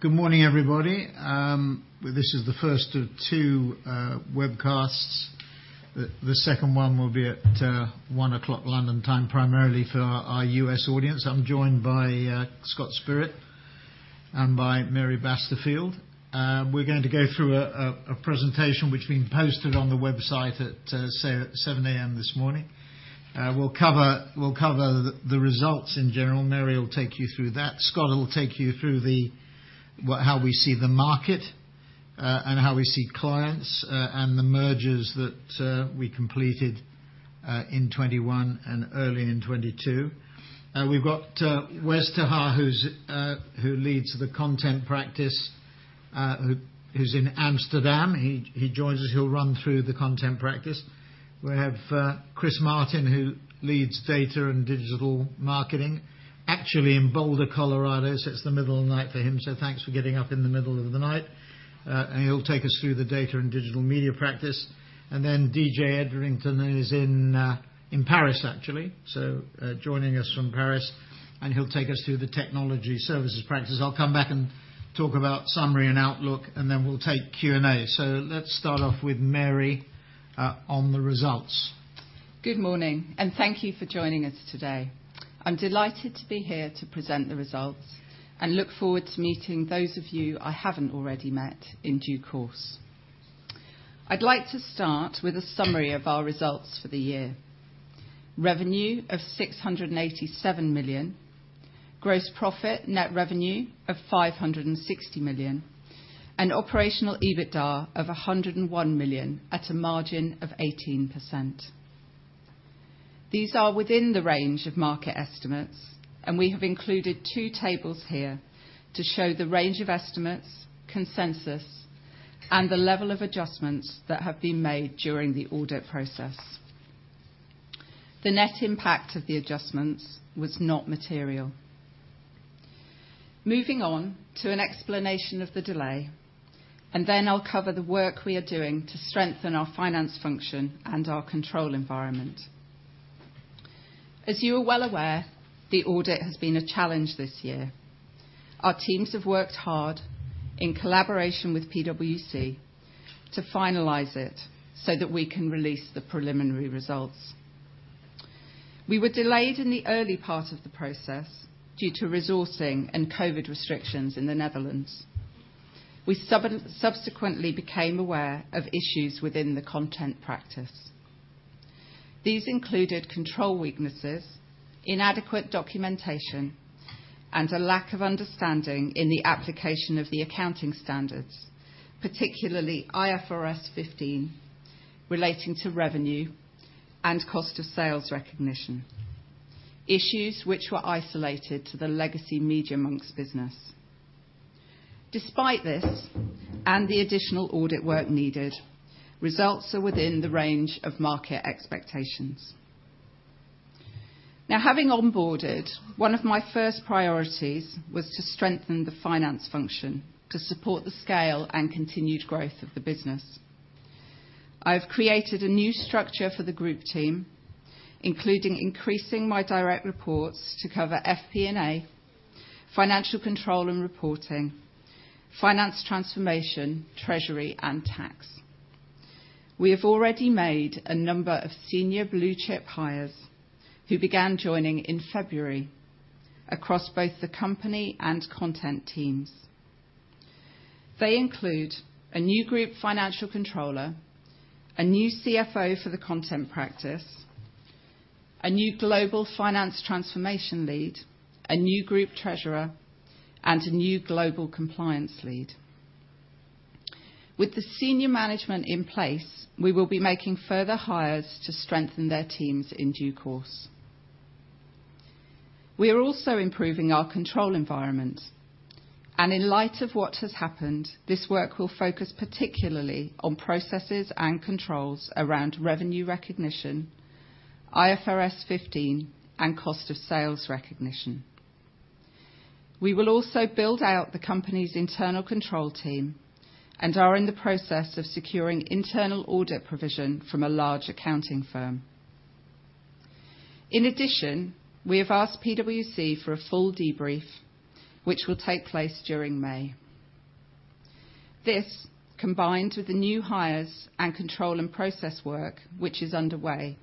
Good morning, everybody. This is the first of two webcasts. The second one will be at 1:00 P.M. London time, primarily for our U.S. audience. I'm joined by Scott Spirit and by Mary Basterfield. We're going to go through a presentation which we posted on the website at 7:00 A.M. this morning. We'll cover the results in general. Mary will take you through that. Scott will take you through the way we see the market, and how we see clients, and the mergers that we completed in 2021 and early in 2022. We've got Wes ter Haar, who leads the content practice, who's in Amsterdam. He joins us. He'll run through the content practice. We have Chris Martin, who leads Data & Digital Marketing, actually in Boulder, Colorado, so it's the middle of the night for him, so thanks for getting up in the middle of the night. He'll take us through the Data & Digital Media practice. Then DJ Edgerton is in Paris, actually. Joining us from Paris, and he'll take us through the Technology Services practice. I'll come back and talk about summary and outlook, and then we'll take Q&A. Let's start off with Mary on the results. Good morning, and thank you for joining us today. I'm delighted to be here to present the results and look forward to meeting those of you I haven't already met in due course. I'd like to start with a summary of our results for the year. Revenue of 687 million. Gross profit net revenue of 560 million. Operational EBITDA of 101 million at a margin of 18%. These are within the range of market estimates, and we have included two tables here to show the range of estimates, consensus, and the level of adjustments that have been made during the audit process. The net impact of the adjustments was not material. Moving on to an explanation of the delay, and then I'll cover the work we are doing to strengthen our finance function and our control environment. As you are well aware, the audit has been a challenge this year. Our teams have worked hard in collaboration with PwC to finalize it so that we can release the preliminary results. We were delayed in the early part of the process due to resourcing and COVID restrictions in the Netherlands. We subsequently became aware of issues within the content practice. These included control weaknesses, inadequate documentation, and a lack of understanding in the application of the accounting standards, particularly IFRS 15, relating to revenue and cost of sales recognition, issues which were isolated to the legacy Media.Monks business. Despite this and the additional audit work needed, results are within the range of market expectations. Now, having onboarded, one of my first priorities was to strengthen the finance function to support the scale and continued growth of the business. I have created a new structure for the group team, including increasing my direct reports to cover FP&A, financial control and reporting, finance transformation, treasury, and tax. We have already made a number of senior blue-chip hires, who began joining in February, across both the company and content teams. They include a new group financial controller, a new CFO for the content practice, a new global finance transformation lead, a new group treasurer, and a new global compliance lead. With the senior management in place, we will be making further hires to strengthen their teams in due course. We are also improving our control environment, and in light of what has happened, this work will focus particularly on processes and controls around revenue recognition, IFRS 15, and cost of sales recognition. We will also build out the company's internal control team and are in the process of securing internal audit provision from a large accounting firm. In addition, we have asked PwC for a full debrief, which will take place during May. This, combined with the new hires and control and process work, which is underway,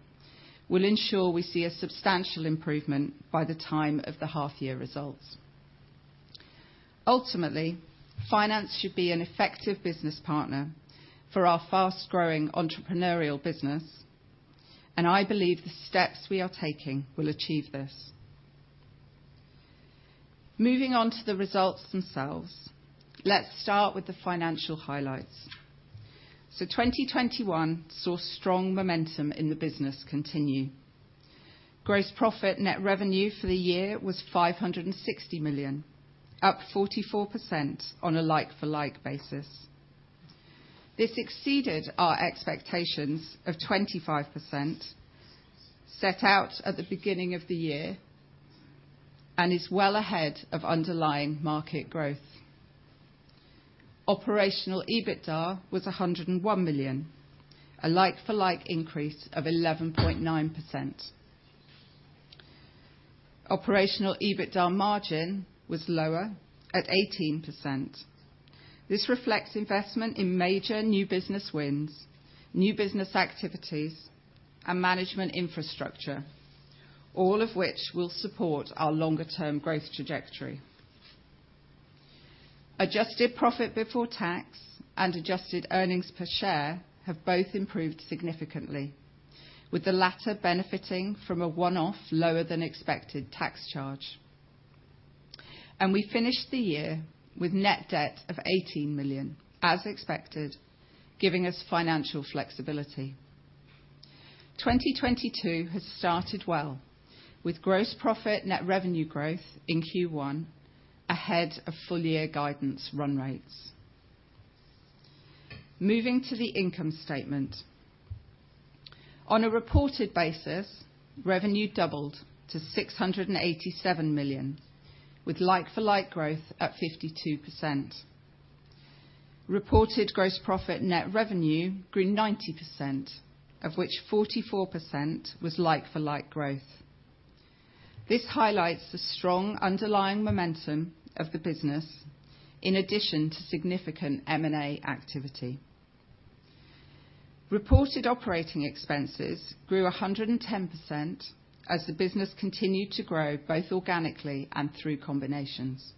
will ensure we see a substantial improvement by the time of the half-year results. Ultimately, finance should be an effective business partner for our fast-growing entrepreneurial business, and I believe the steps we are taking will achieve this. Moving on to the results themselves. Let's start with the financial highlights. 2021 saw strong momentum in the business continue. Gross profit net revenue for the year was 560 million, up 44% on a like-for-like basis. This exceeded our expectations of 25% set out at the beginning of the year and is well ahead of underlying market growth. Operational EBITDA was 101 million, a like-for-like increase of 11.9%. Operational EBITDA margin was lower at 18%. This reflects investment in major new business wins, new business activities, and management infrastructure, all of which will support our longer term growth trajectory. Adjusted profit before tax and adjusted earnings per share have both improved significantly, with the latter benefiting from a one-off lower than expected tax charge. We finished the year with net debt of 18 million, as expected, giving us financial flexibility. 2022 has started well, with gross profit net revenue growth in Q1 ahead of full year guidance run rates. Moving to the income statement. On a reported basis, revenue doubled to 687 million, with like-for-like growth at 52%. Reported gross profit net revenue grew 90%, of which 44% was like-for-like growth. This highlights the strong underlying momentum of the business in addition to significant M&A activity. Reported operating expenses grew 110% as the business continued to grow, both organically and through combinations.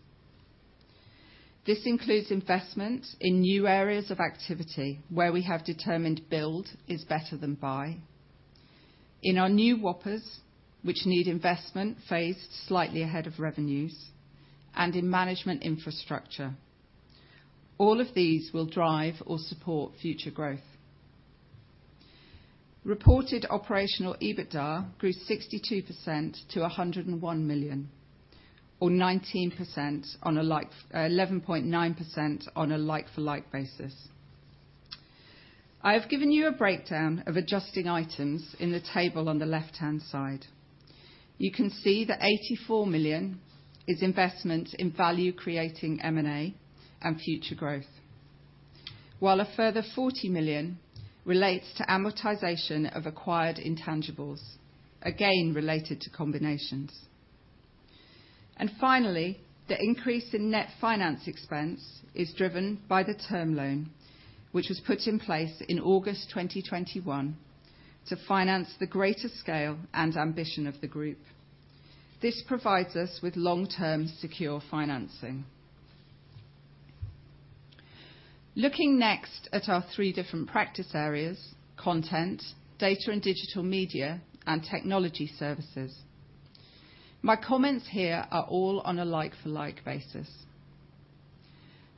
This includes investment in new areas of activity where we have determined build is better than buy. In our new Whoppers, which need investment phased slightly ahead of revenues, and in management infrastructure. All of these will drive or support future growth. Reported operational EBITDA grew 62% to 101 million, or 11.9% on a like-for-like basis. I have given you a breakdown of adjusting items in the table on the left-hand side. You can see that 84 million is investment in value creating M&A and future growth. While a further 40 million relates to amortization of acquired intangibles, again, related to combinations. Finally, the increase in net finance expense is driven by the term loan, which was put in place in August 2021 to finance the greater scale and ambition of the group. This provides us with long-term secure financing. Looking next at our three different practice areas, Content, Data & Digital Media, and Technology Services. My comments here are all on a like-for-like basis.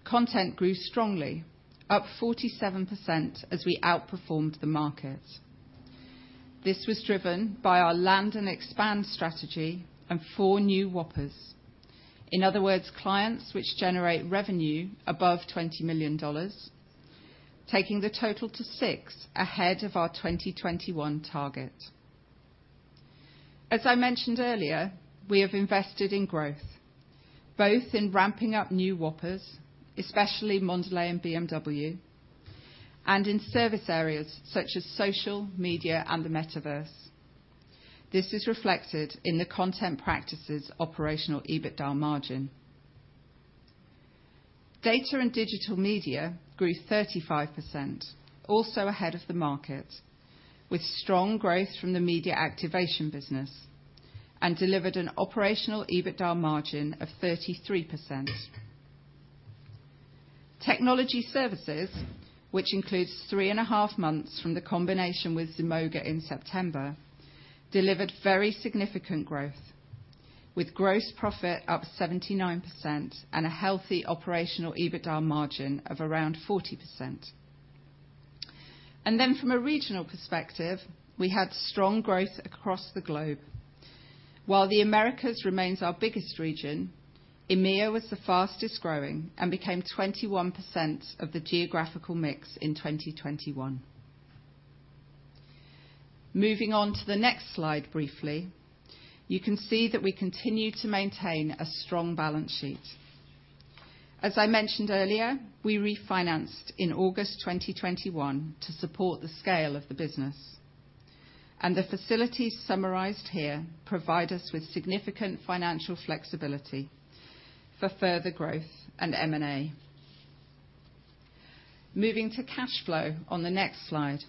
Content grew strongly, up 47% as we outperformed the market. This was driven by our land and expand strategy and four new Whoppers. In other words, clients which generate revenue above $20 million, taking the total to six ahead of our 2021 target. As I mentioned earlier, we have invested in growth, both in ramping up new Whoppers, especially Mondelēz and BMW, and in service areas such as social, media, and the metaverse. This is reflected in the Content practice's operational EBITDA margin. Data & Digital Media grew 35%, also ahead of the market, with strong growth from the media activation business, and delivered an operational EBITDA margin of 33%. Technology Services, which includes three and a half months from the combination with Zemoga in September, delivered very significant growth, with gross profit up 79% and a healthy operational EBITDA margin of around 40%. From a regional perspective, we had strong growth across the globe. While the Americas remains our biggest region, EMEA was the fastest growing and became 21% of the geographical mix in 2021. Moving on to the next slide briefly, you can see that we continue to maintain a strong balance sheet. As I mentioned earlier, we refinanced in August 2021 to support the scale of the business. The facilities summarized here provide us with significant financial flexibility for further growth and M&A. Moving to cash flow on the next slide.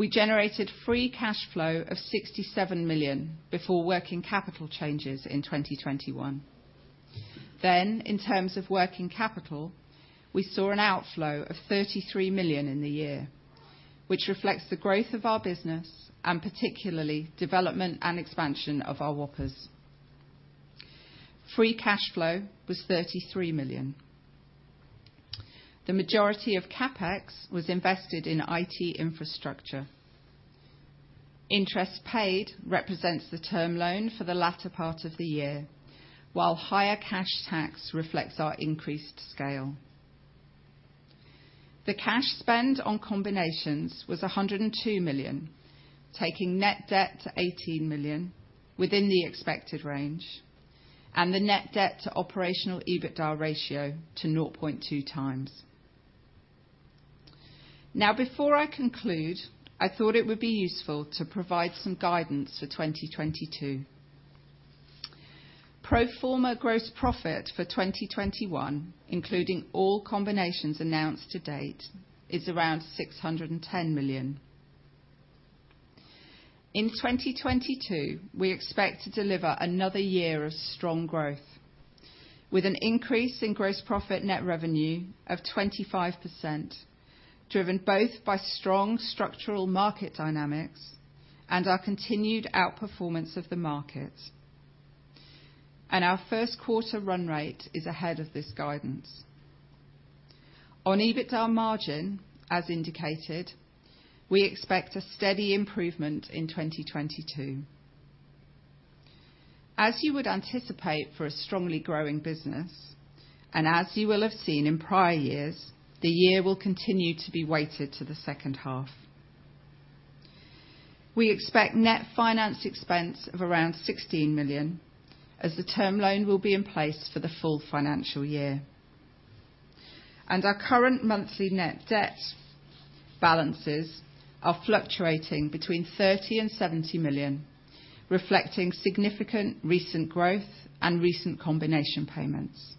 We generated free cash flow of 67 million before working capital changes in 2021. In terms of working capital, we saw an outflow of 33 million in the year, which reflects the growth of our business, and particularly development and expansion of our Whoppers. Free cash flow was 33 million. The majority of CapEx was invested in IT infrastructure. Interest paid represents the term loan for the latter part of the year, while higher cash tax reflects our increased scale. The cash spend on combinations was 102 million, taking net debt to 18 million, within the expected range, and the net debt to operational EBITDA ratio to 0.2x. Now, before I conclude, I thought it would be useful to provide some guidance for 2022. Pro forma gross profit for 2021, including all combinations announced to date, is around 610 million. In 2022, we expect to deliver another year of strong growth with an increase in gross profit net revenue of 25%, driven both by strong structural market dynamics and our continued outperformance of the market. Our first quarter run rate is ahead of this guidance. On EBITDA margin, as indicated, we expect a steady improvement in 2022. As you would anticipate for a strongly growing business, and as you will have seen in prior years, the year will continue to be weighted to the second half. We expect net finance expense of around 16 million, as the term loan will be in place for the full financial year. Our current monthly net debt balances are fluctuating between 30 million and 70 million, reflecting significant recent growth and recent combination payments.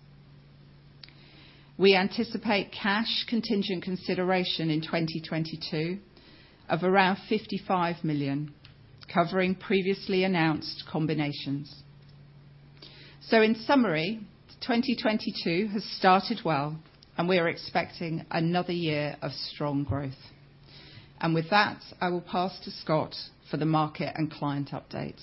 We anticipate cash contingent consideration in 2022 of around 55 million, covering previously announced combinations. In summary, 2022 has started well, and we are expecting another year of strong growth. With that, I will pass to Scott for the market and client update.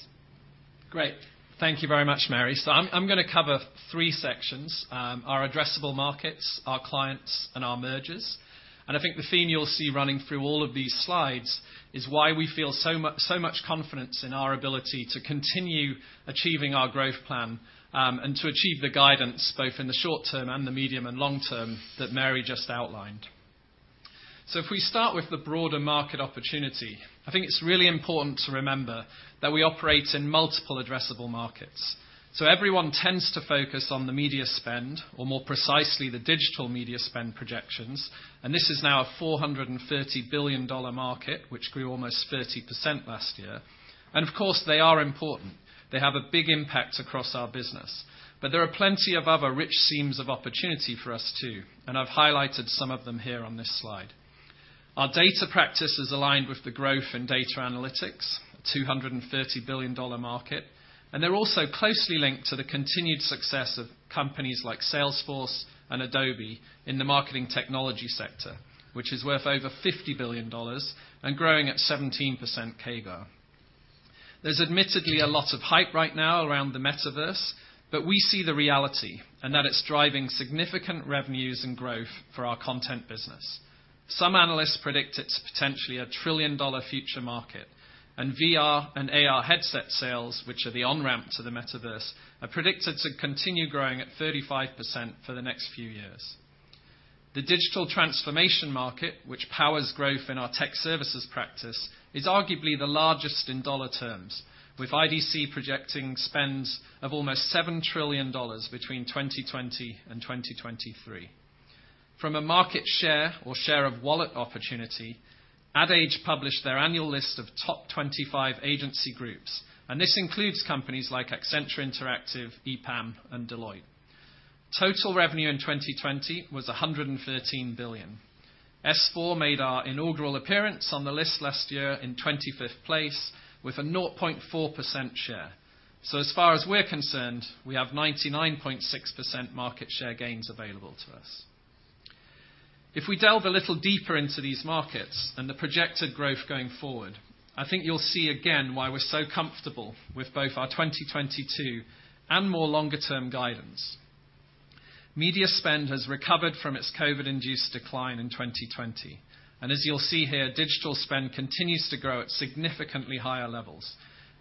Great. Thank you very much, Mary. I'm gonna cover three sections, our addressable markets, our clients, and our mergers. I think the theme you'll see running through all of these slides is why we feel so much confidence in our ability to continue achieving our growth plan, and to achieve the guidance both in the short term and the medium and long term that Mary just outlined. If we start with the broader market opportunity, I think it's really important to remember that we operate in multiple addressable markets. Everyone tends to focus on the media spend, or more precisely, the digital media spend projections, and this is now a $430 billion market, which grew almost 30% last year. Of course, they are important. They have a big impact across our business. There are plenty of other rich seams of opportunity for us too, and I've highlighted some of them here on this slide. Our data practice is aligned with the growth in data analytics, a $230 billion market, and they're also closely linked to the continued success of companies like Salesforce and Adobe in the marketing technology sector, which is worth over $50 billion and growing at 17% CAGR. There's admittedly a lot of hype right now around the metaverse, but we see the reality, and that it's driving significant revenues and growth for our content business. Some analysts predict it's potentially a $1 trillion future market, and VR and AR headset sales, which are the on-ramp to the metaverse, are predicted to continue growing at 35% for the next few years. The digital transformation market, which powers growth in our tech services practice, is arguably the largest in dollar terms, with IDC projecting spends of almost $7 trillion between 2020 and 2023. From a market share or share of wallet opportunity, Ad Age published their annual list of top 25 agency groups, and this includes companies like Accenture Interactive, EPAM, and Deloitte. Total revenue in 2020 was $113 billion. S4 made our inaugural appearance on the list last year in 25th place with a 0.4% share. As far as we're concerned, we have 99.6% market share gains available to us. If we delve a little deeper into these markets and the projected growth going forward, I think you'll see again why we're so comfortable with both our 2022 and more longer term guidance. Media spend has recovered from its COVID-induced decline in 2020. As you'll see here, digital spend continues to grow at significantly higher levels.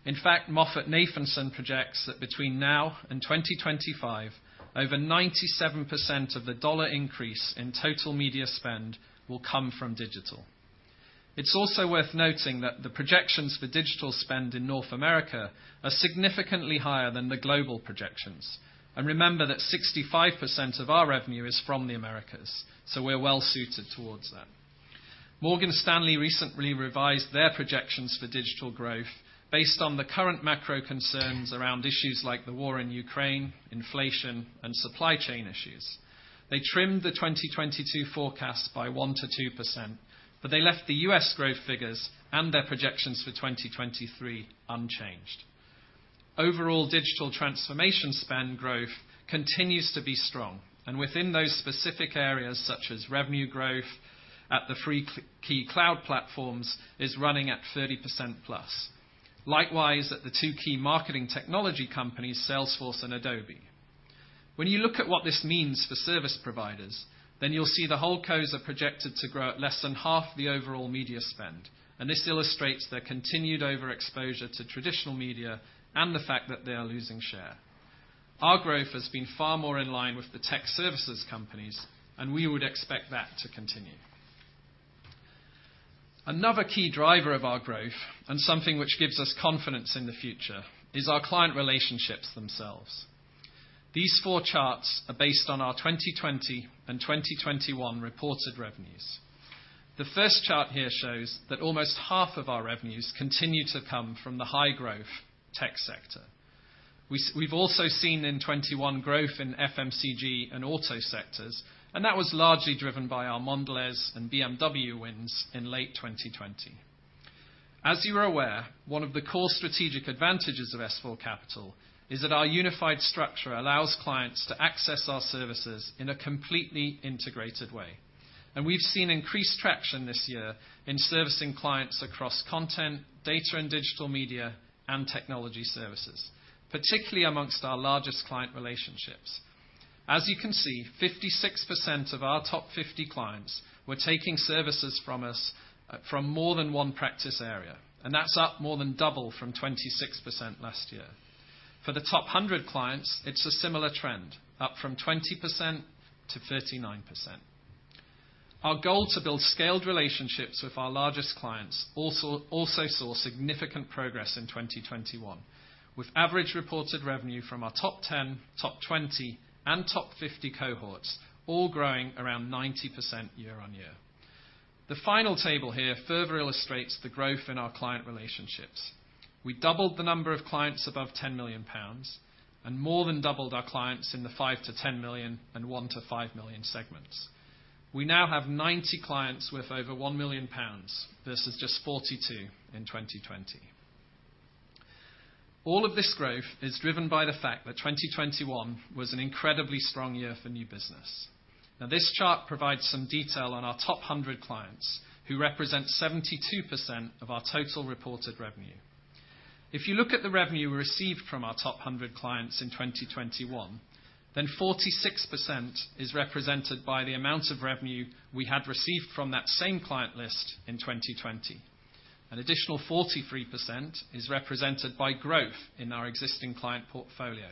In fact, MoffettNathanson projects that between now and 2025, over 97% of the dollar increase in total media spend will come from digital. It's also worth noting that the projections for digital spend in North America are significantly higher than the global projections. Remember that 65% of our revenue is from the Americas, so we're well suited towards that. Morgan Stanley recently revised their projections for digital growth based on the current macro concerns around issues like the war in Ukraine, inflation, and supply chain issues. They trimmed the 2022 forecast by 1%-2%, but they left the U.S. growth figures and their projections for 2023 unchanged. Overall digital transformation spend growth continues to be strong, and within those specific areas, such as revenue growth at the three key cloud platforms, is running at 30%+. Likewise at the two key marketing technology companies, Salesforce and Adobe. When you look at what this means for service providers, then you'll see the holdcos are projected to grow at less than half the overall media spend, and this illustrates their continued overexposure to traditional media and the fact that they are losing share. Our growth has been far more in line with the tech services companies, and we would expect that to continue. Another key driver of our growth, and something which gives us confidence in the future, is our client relationships themselves. These four charts are based on our 2020 and 2021 reported revenues. The first chart here shows that almost half of our revenues continue to come from the high growth tech sector. We've also seen in 2021 growth in FMCG and auto sectors, and that was largely driven by our Mondelēz and BMW wins in late 2020. As you are aware, one of the core strategic advantages of S4 Capital is that our unified structure allows clients to access our services in a completely integrated way. We've seen increased traction this year in servicing clients across content, Data & Digital Media, and Technology Services, particularly among our largest client relationships. As you can see, 56% of our top 50 clients were taking services from us from more than one practice area, and that's up more than double from 26% last year. For the top 100 clients, it's a similar trend, up from 20% to 39%. Our goal to build scaled relationships with our largest clients also saw significant progress in 2021, with average reported revenue from our top 10, top 20, and top 50 cohorts all growing around 90% year-over-year. The final table here further illustrates the growth in our client relationships. We doubled the number of clients above 10 million pounds and more than doubled our clients in the 5 million-10 million and 1 million-5 million segments. We now have 90 clients with over 1 million pounds. This is just 42 in 2021. All of this growth is driven by the fact that 2021 was an incredibly strong year for new business. Now, this chart provides some detail on our top 100 clients who represent 72% of our total reported revenue. If you look at the revenue received from our top 100 clients in 2021, then 46% is represented by the amount of revenue we had received from that same client list in 2020. An additional 43% is represented by growth in our existing client portfolio.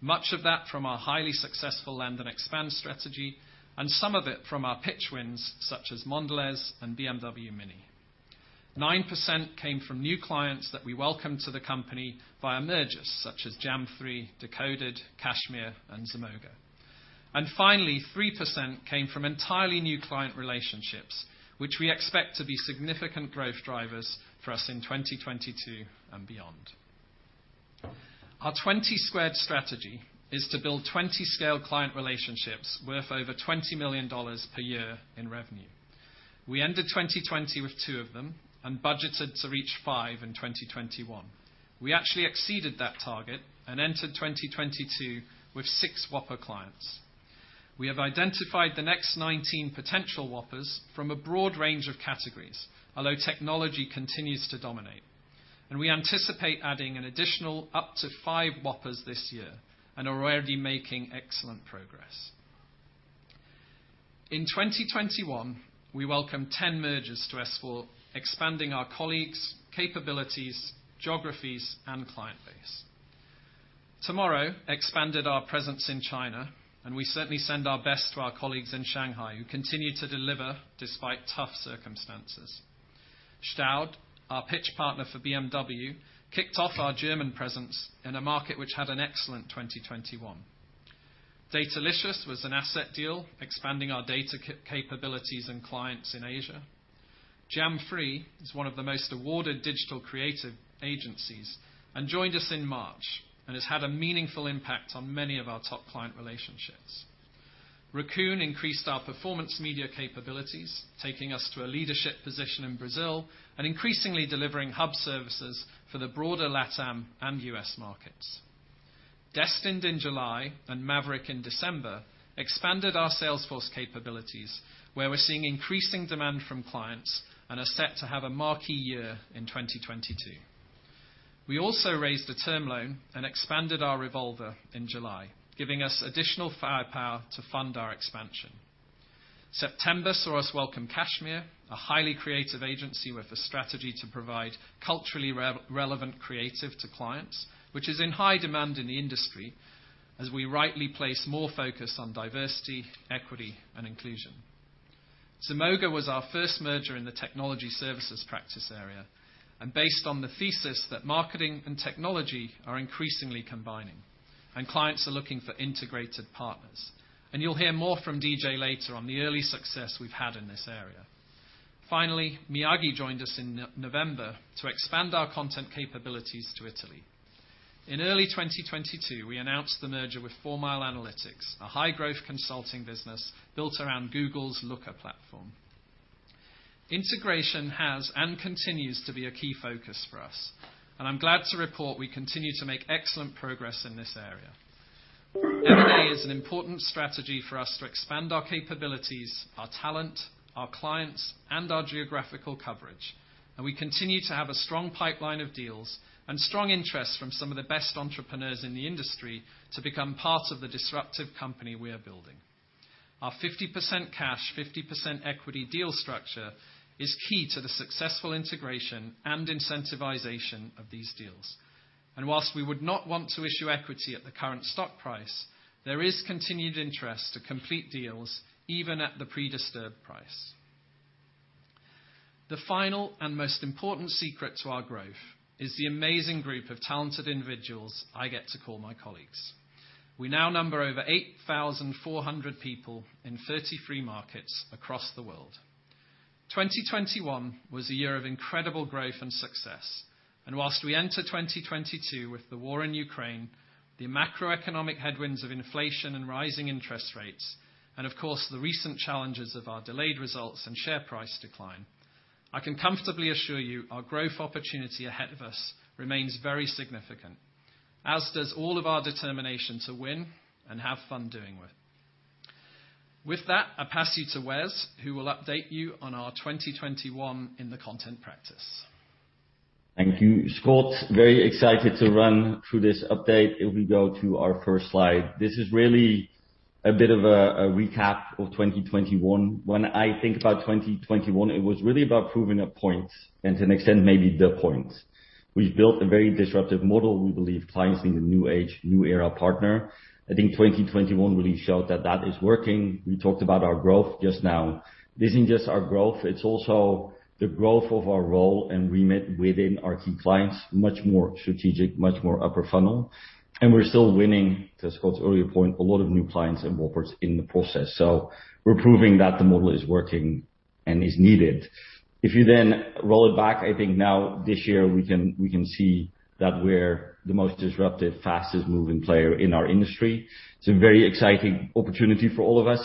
Much of that from our highly successful land and expand strategy, and some of it from our pitch wins, such as Mondelēz and BMW MINI. 9% came from new clients that we welcomed to the company via mergers such as Jam3, Decoded, Cashmere, and Zemoga. Finally, 3% came from entirely new client relationships, which we expect to be significant growth drivers for us in 2022 and beyond. Our 20 squared strategy is to build 20 scale client relationships worth over $20 million per year in revenue. We ended 2020 with two of them and budgeted to reach five in 2021. We actually exceeded that target and entered 2022 with six Whopper clients. We have identified the next 19 potential Whoppers from a broad range of categories, although technology continues to dominate. We anticipate adding an additional up to five Whoppers this year and are already making excellent progress. In 2021, we welcomed 10 mergers to S4, expanding our colleagues, capabilities, geographies, and client base. Tomorrow expanded our presence in China, and we certainly send our best to our colleagues in Shanghai, who continue to deliver despite tough circumstances. Staud, our pitch partner for BMW, kicked off our German presence in a market which had an excellent 2021. Datalicious was an asset deal expanding our data capabilities and clients in Asia. Jam3 is one of the most awarded digital creative agencies and joined us in March and has had a meaningful impact on many of our top client relationships. Raccoon increased our performance media capabilities, taking us to a leadership position in Brazil and increasingly delivering hub services for the broader LATAM and U.S. markets. Destined in July and Maverick Digital in December expanded our Salesforce capabilities, where we're seeing increasing demand from clients and are set to have a marquee year in 2022. We also raised a term loan and expanded our revolver in July, giving us additional firepower to fund our expansion. September saw us welcome Cashmere, a highly creative agency with a strategy to provide culturally relevant creative to clients, which is in high demand in the industry as we rightly place more focus on diversity, equity, and inclusion. Zemoga was our first merger in the Technology Services practice area and based on the thesis that marketing and technology are increasingly combining and clients are looking for integrated partners. You'll hear more from DJ later on the early success we've had in this area. Finally, Miyagi joined us in November to expand our content capabilities to Italy. In early 2022, we announced the merger with 4 Mile Analytics, a high growth consulting business built around Google's Looker platform. Integration has and continues to be a key focus for us, and I'm glad to report we continue to make excellent progress in this area. M&A is an important strategy for us to expand our capabilities, our talent, our clients, and our geographical coverage. We continue to have a strong pipeline of deals and strong interest from some of the best entrepreneurs in the industry to become part of the disruptive company we are building. Our 50% cash, 50% equity deal structure is key to the successful integration and incentivization of these deals. While we would not want to issue equity at the current stock price, there is continued interest to complete deals even at the pre-disturbed price. The final and most important secret to our growth is the amazing group of talented individuals I get to call my colleagues. We now number over 8,400 people in 33 markets across the world. 2021 was a year of incredible growth and success, and while we enter 2022 with the war in Ukraine, the macroeconomic headwinds of inflation and rising interest rates, and of course, the recent challenges of our delayed results and share price decline, I can comfortably assure you our growth opportunity ahead of us remains very significant, as does all of our determination to win and have fun doing it. With that, I pass you to Wes, who will update you on our 2021 in the Content Practice. Thank you, Scott. Very excited to run through this update. If we go to our first slide. This is really a bit of a recap of 2021. When I think about 2021, it was really about proving a point, and to an extent, maybe the point. We've built a very disruptive model. We believe clients need a new age, new era partner. I think 2021 really showed that that is working. We talked about our growth just now. This isn't just our growth, it's also the growth of our role and remit within our key clients, much more strategic, much more upper funnel. We're still winning, to Scott's earlier point, a lot of new clients and Whoppers in the process. We're proving that the model is working and is needed. If you then roll it back, I think now this year, we can see that we're the most disruptive, fastest moving player in our industry. It's a very exciting opportunity for all of us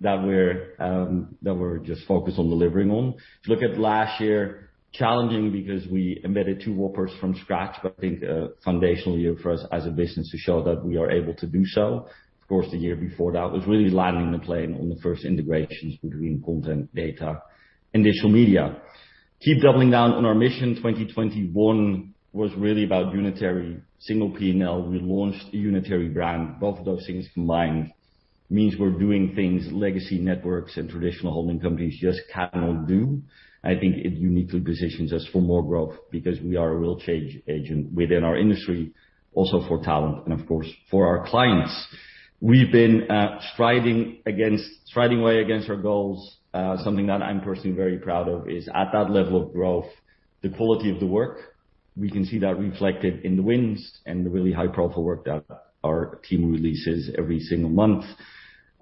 that we're just focused on delivering on. If you look at last year, challenging because we embedded two Whoppers from scratch, but I think a foundational year for us as a business to show that we are able to do so. Of course, the year before that was really landing the plane on the first integrations between content, data, and digital media. Keep doubling down on our mission. 2021 was really about unified, single P&L. We launched a unified brand. Both of those things combined means we're doing things legacy networks and traditional holding companies just cannot do. I think it uniquely positions us for more growth because we are a real change agent within our industry, also for talent and of course, for our clients. We've been striding way ahead of our goals. Something that I'm personally very proud of is at that level of growth, the quality of the work, we can see that reflected in the wins and the really high-profile work that our team releases every single month.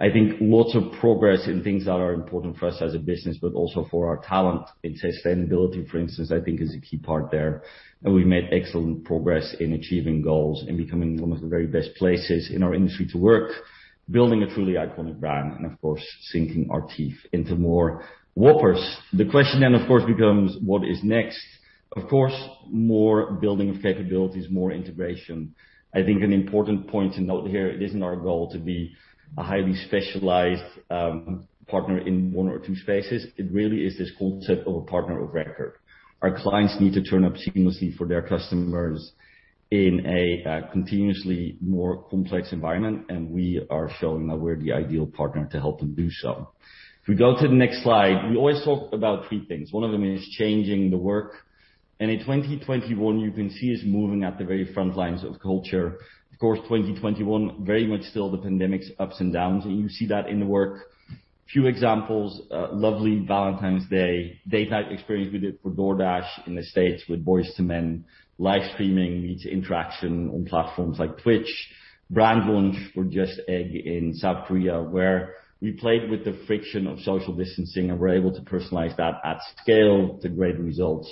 I think lots of progress in things that are important for us as a business, but also for our talent. It's sustainability, for instance, I think is a key part there. We made excellent progress in achieving goals and becoming one of the very best places in our industry to work, building a truly iconic brand and of course, sinking our teeth into more Whoppers. The question then, of course, becomes what is next? Of course, more building of capabilities, more integration. I think an important point to note here, it isn't our goal to be a highly specialized, partner in one or two spaces. It really is this concept of a partner of record. Our clients need to turn up seamlessly for their customers in a continuously more complex environment, and we are showing that we're the ideal partner to help them do so. If we go to the next slide, we always talk about three things. One of them is changing the work. In 2021, you can see us moving at the very front lines of culture. Of course, 2021, very much still the pandemic's ups and downs, and you see that in the work. Few examples, lovely Valentine's Day date night experience we did for DoorDash in the States with Boyz II Men, live streaming meets interaction on platforms like Twitch. Brand launch for JUST Egg in South Korea, where we played with the friction of social distancing, and we're able to personalize that at scale to great results.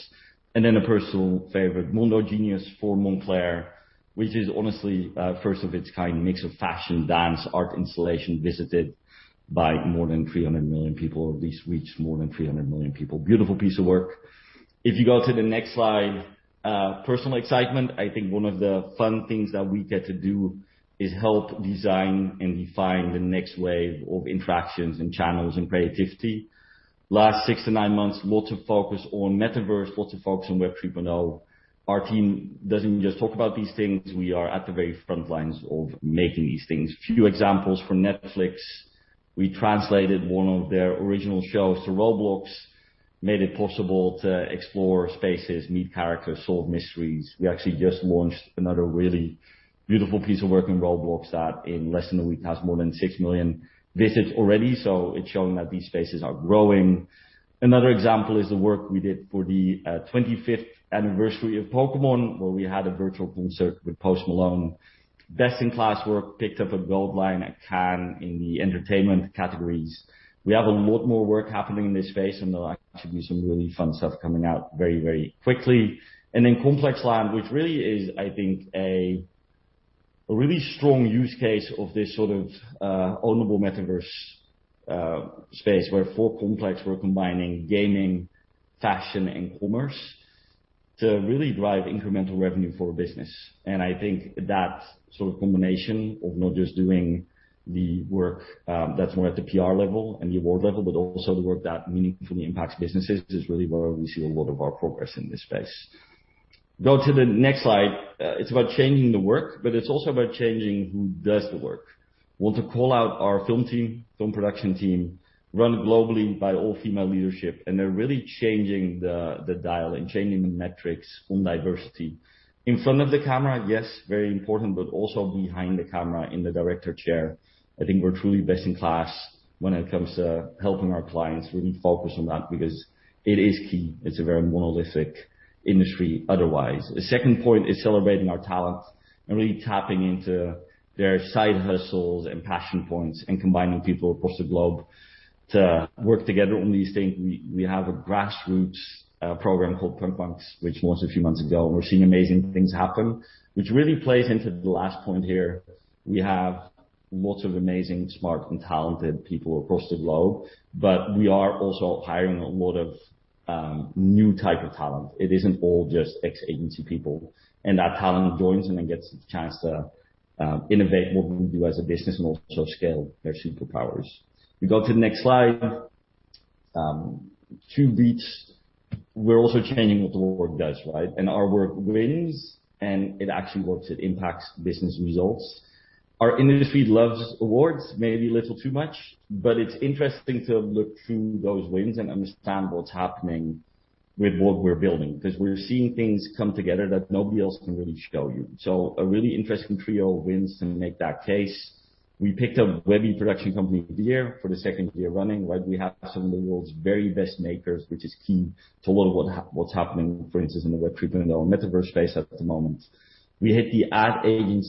A personal favorite, MONDOGENIUS for Moncler, which is honestly a first-of-its-kind mix of fashion, dance, art installation, visited by more than 300 million people. At least reached more than 300 million people. Beautiful piece of work. If you go to the next slide. Personal excitement. I think one of the fun things that we get to do is help design and define the next wave of interactions and channels and creativity. Last six to nine months, lots of focus on metaverse, lots of focus on Web 3.0. Our team doesn't just talk about these things, we are at the very front lines of making these things. Few examples from Netflix. We translated one of their original shows to Roblox, made it possible to explore spaces, meet characters, solve mysteries. We actually just launched another really beautiful piece of work in Roblox that in less than a week, has more than 6 million visits already. It's showing that these spaces are growing. Another example is the work we did for the 25th anniversary of Pokémon, where we had a virtual concert with Post Malone. Best in class work, picked up a Gold Lion at Cannes in the Entertainment categories. We have a lot more work happening in this space, and there should be some really fun stuff coming out very, very quickly. ComplexLand, which really is, I think, a really strong use case of this sort of ownable metaverse space where for Complex, we're combining gaming, fashion, and commerce to really drive incremental revenue for a business. I think that sort of combination of not just doing the work that's more at the PR level and the award level, but also the work that meaningfully impacts businesses is really where we see a lot of our progress in this space. Go to the next slide. It's about changing the work, but it's also about changing who does the work. Want to call out our film team, film production team, run globally by all-female leadership, and they're really changing the dial and changing the metrics on diversity. In front of the camera, yes, very important, but also behind the camera in the director chair. I think we're truly best-in-class when it comes to helping our clients really focus on that because it is key. It's a very monolithic industry otherwise. The second point is celebrating our talent and really tapping into their side hustles and passion points and combining people across the globe to work together on these things. We have a grassroots program called Printpunks, which launched a few months ago, and we're seeing amazing things happen, which really plays into the last point here. We have lots of amazing, smart, and talented people across the globe, but we are also hiring a lot of new type of talent. It isn't all just ex-agency people. That talent joins and then gets the chance to innovate what we do as a business and also scale their superpowers. We go to the next slide. We're also changing what the world does, right? Our work wins, and it actually works. It impacts business results. Our industry loves awards maybe a little too much, but it's interesting to look through those wins and understand what's happening with what we're building 'cause we're seeing things come together that nobody else can really show you. A really interesting trio of wins to make that case. We picked up Webby Production Company of the Year for the second year running, right? We have some of the world's very best makers, which is key to a lot of what's happening, for instance, in the Web3 and in our metaverse space at the moment. We hit the Ad Age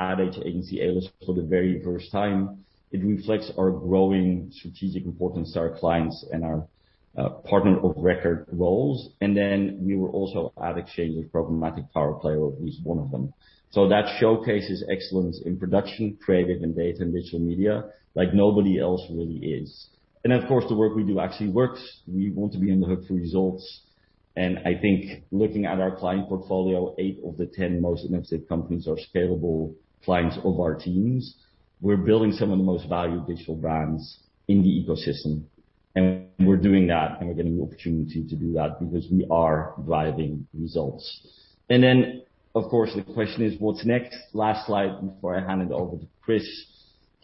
A-List for the very first time. It reflects our growing strategic importance to our clients and our partner of record roles. We were also AdExchanger's Programmatic Power Player, at least one of them. That showcases excellence in production, creative and data and digital media like nobody else really is. Of course, the work we do actually works. We want to be on the hook for results. I think looking at our client portfolio, eight of the ten most innovative companies are scalable clients of our teams. We're building some of the most valued digital brands in the ecosystem, and we're doing that, and we're getting the opportunity to do that because we are driving results. Then, of course, the question is what's next? Last slide before I hand it over to Chris.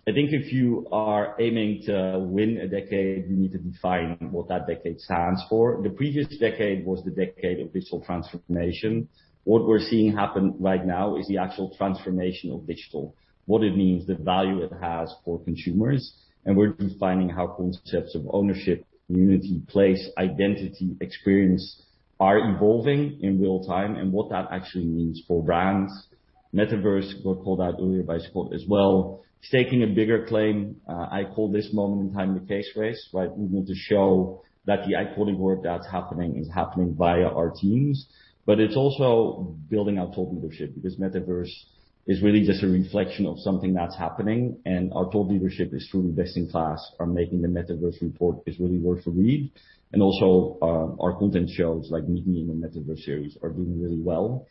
I think if you are aiming to win a decade, you need to define what that decade stands for. The previous decade was the decade of digital transformation. What we're seeing happen right now is the actual transformation of digital, what it means, the value it has for consumers, and we're defining how concepts of ownership, community, place, identity, experience are evolving in real time and what that actually means for brands. Metaverse got called out earlier by Scott as well. Staking a bigger claim, I call this moment in time the space race, right? We want to show that the eye-catching work that's happening is happening via our teams, but it's also building out thought leadership, because metaverse is really just a reflection of something that's happening, and our thought leadership is truly best in class from Making the Metaverse report is really worth a read. Also, our content shows, like Meet Me in the Metaverse series are doing really well.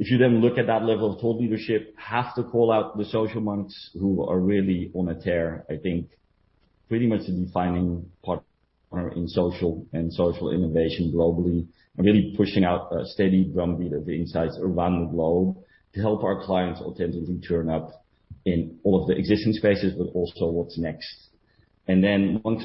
If you then look at that level of thought leadership, have to call out the Social.Monks who are really on a tear. I think pretty much a defining partner in social and social innovation globally, and really pushing out a steady drumbeat of insights around the globe to help our clients alternatively turn up in all of the existing spaces, but also what's next. Monks+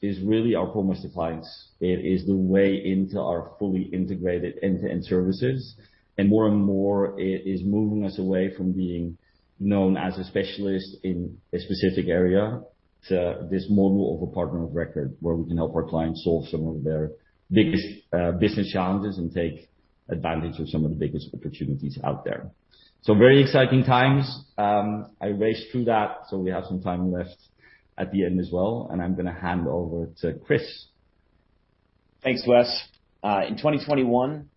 is really our promise to clients. It is the way into our fully integrated end-to-end services, and more and more, it is moving us away from being known as a specialist in a specific area to this model of a partner of record where we can help our clients solve some of their biggest business challenges and take advantage of some of the biggest opportunities out there. Very exciting times. I raced through that, so we have some time left at the end as well, and I'm gonna hand over to Chris. Thanks, Wes. In 2021,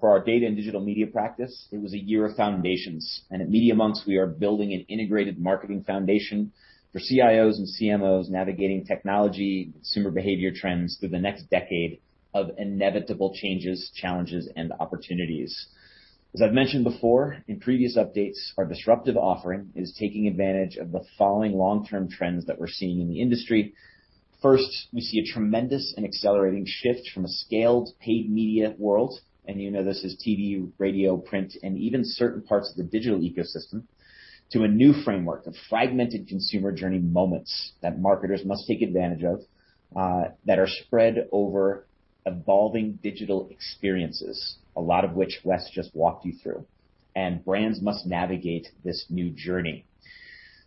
for our Data & Digital Media practice, it was a year of foundations. At Media.Monks, we are building an integrated marketing foundation for CIOs and CMOs navigating technology, consumer behavior trends through the next decade of inevitable changes, challenges, and opportunities. As I've mentioned before in previous updates, our disruptive offering is taking advantage of the following long-term trends that we're seeing in the industry. First, we see a tremendous and accelerating shift from a scaled paid media world, and you know this as TV, radio, print, and even certain parts of the digital ecosystem, to a new framework of fragmented consumer journey moments that marketers must take advantage of, that are spread over evolving digital experiences, a lot of which Wes just walked you through. Brands must navigate this new journey.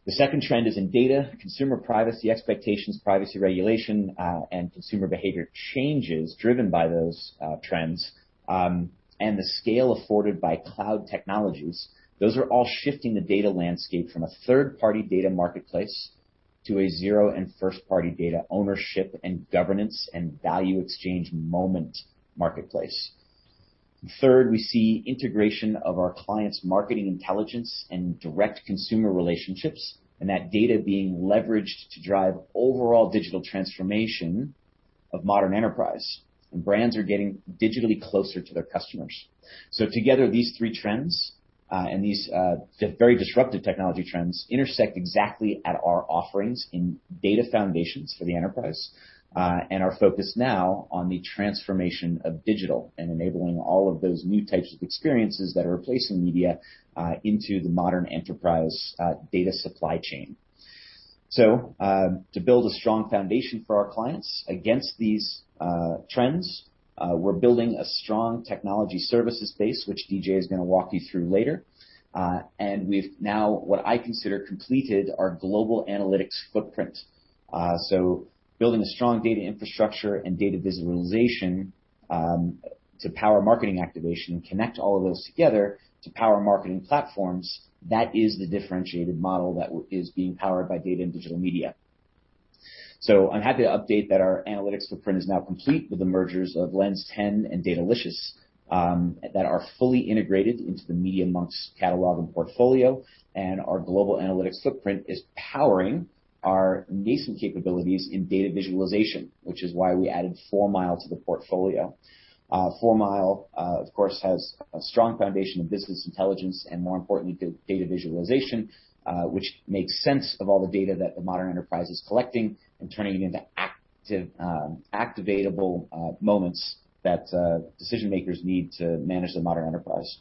The second trend is in data, consumer privacy expectations, privacy regulation, and consumer behavior changes driven by those trends, and the scale afforded by cloud technologies. Those are all shifting the data landscape from a third-party data marketplace to a zero and first-party data ownership and governance and value exchange moment marketplace. Third, we see integration of our clients' marketing intelligence and direct consumer relationships, and that data being leveraged to drive overall digital transformation of modern enterprise. Brands are getting digitally closer to their customers. Together, these three trends and these very disruptive technology trends intersect exactly at our offerings in data foundations for the enterprise, and are focused now on the transformation of digital and enabling all of those new types of experiences that are replacing media into the modern enterprise data supply chain. To build a strong foundation for our clients against these trends, we're building a strong Technology Services base, which DJ is gonna walk you through later. We've now completed our global analytics footprint, what I consider. Building a strong data infrastructure and data visualization to power marketing activation and connect all of those together to power marketing platforms, that is the differentiated model that is being powered by Data & Digital Media. I'm happy to update that our analytics footprint is now complete with the mergers of Lens10 and Datalicious that are fully integrated into the Media.Monks catalog and portfolio. Our global analytics footprint is powering our nascent capabilities in data visualization, which is why we added 4 Mile to the portfolio. 4 Mile, of course, has a strong foundation of business intelligence and, more importantly, data visualization, which makes sense of all the data that the modern enterprise is collecting and turning it into active, activatable moments that decision-makers need to manage the modern enterprise.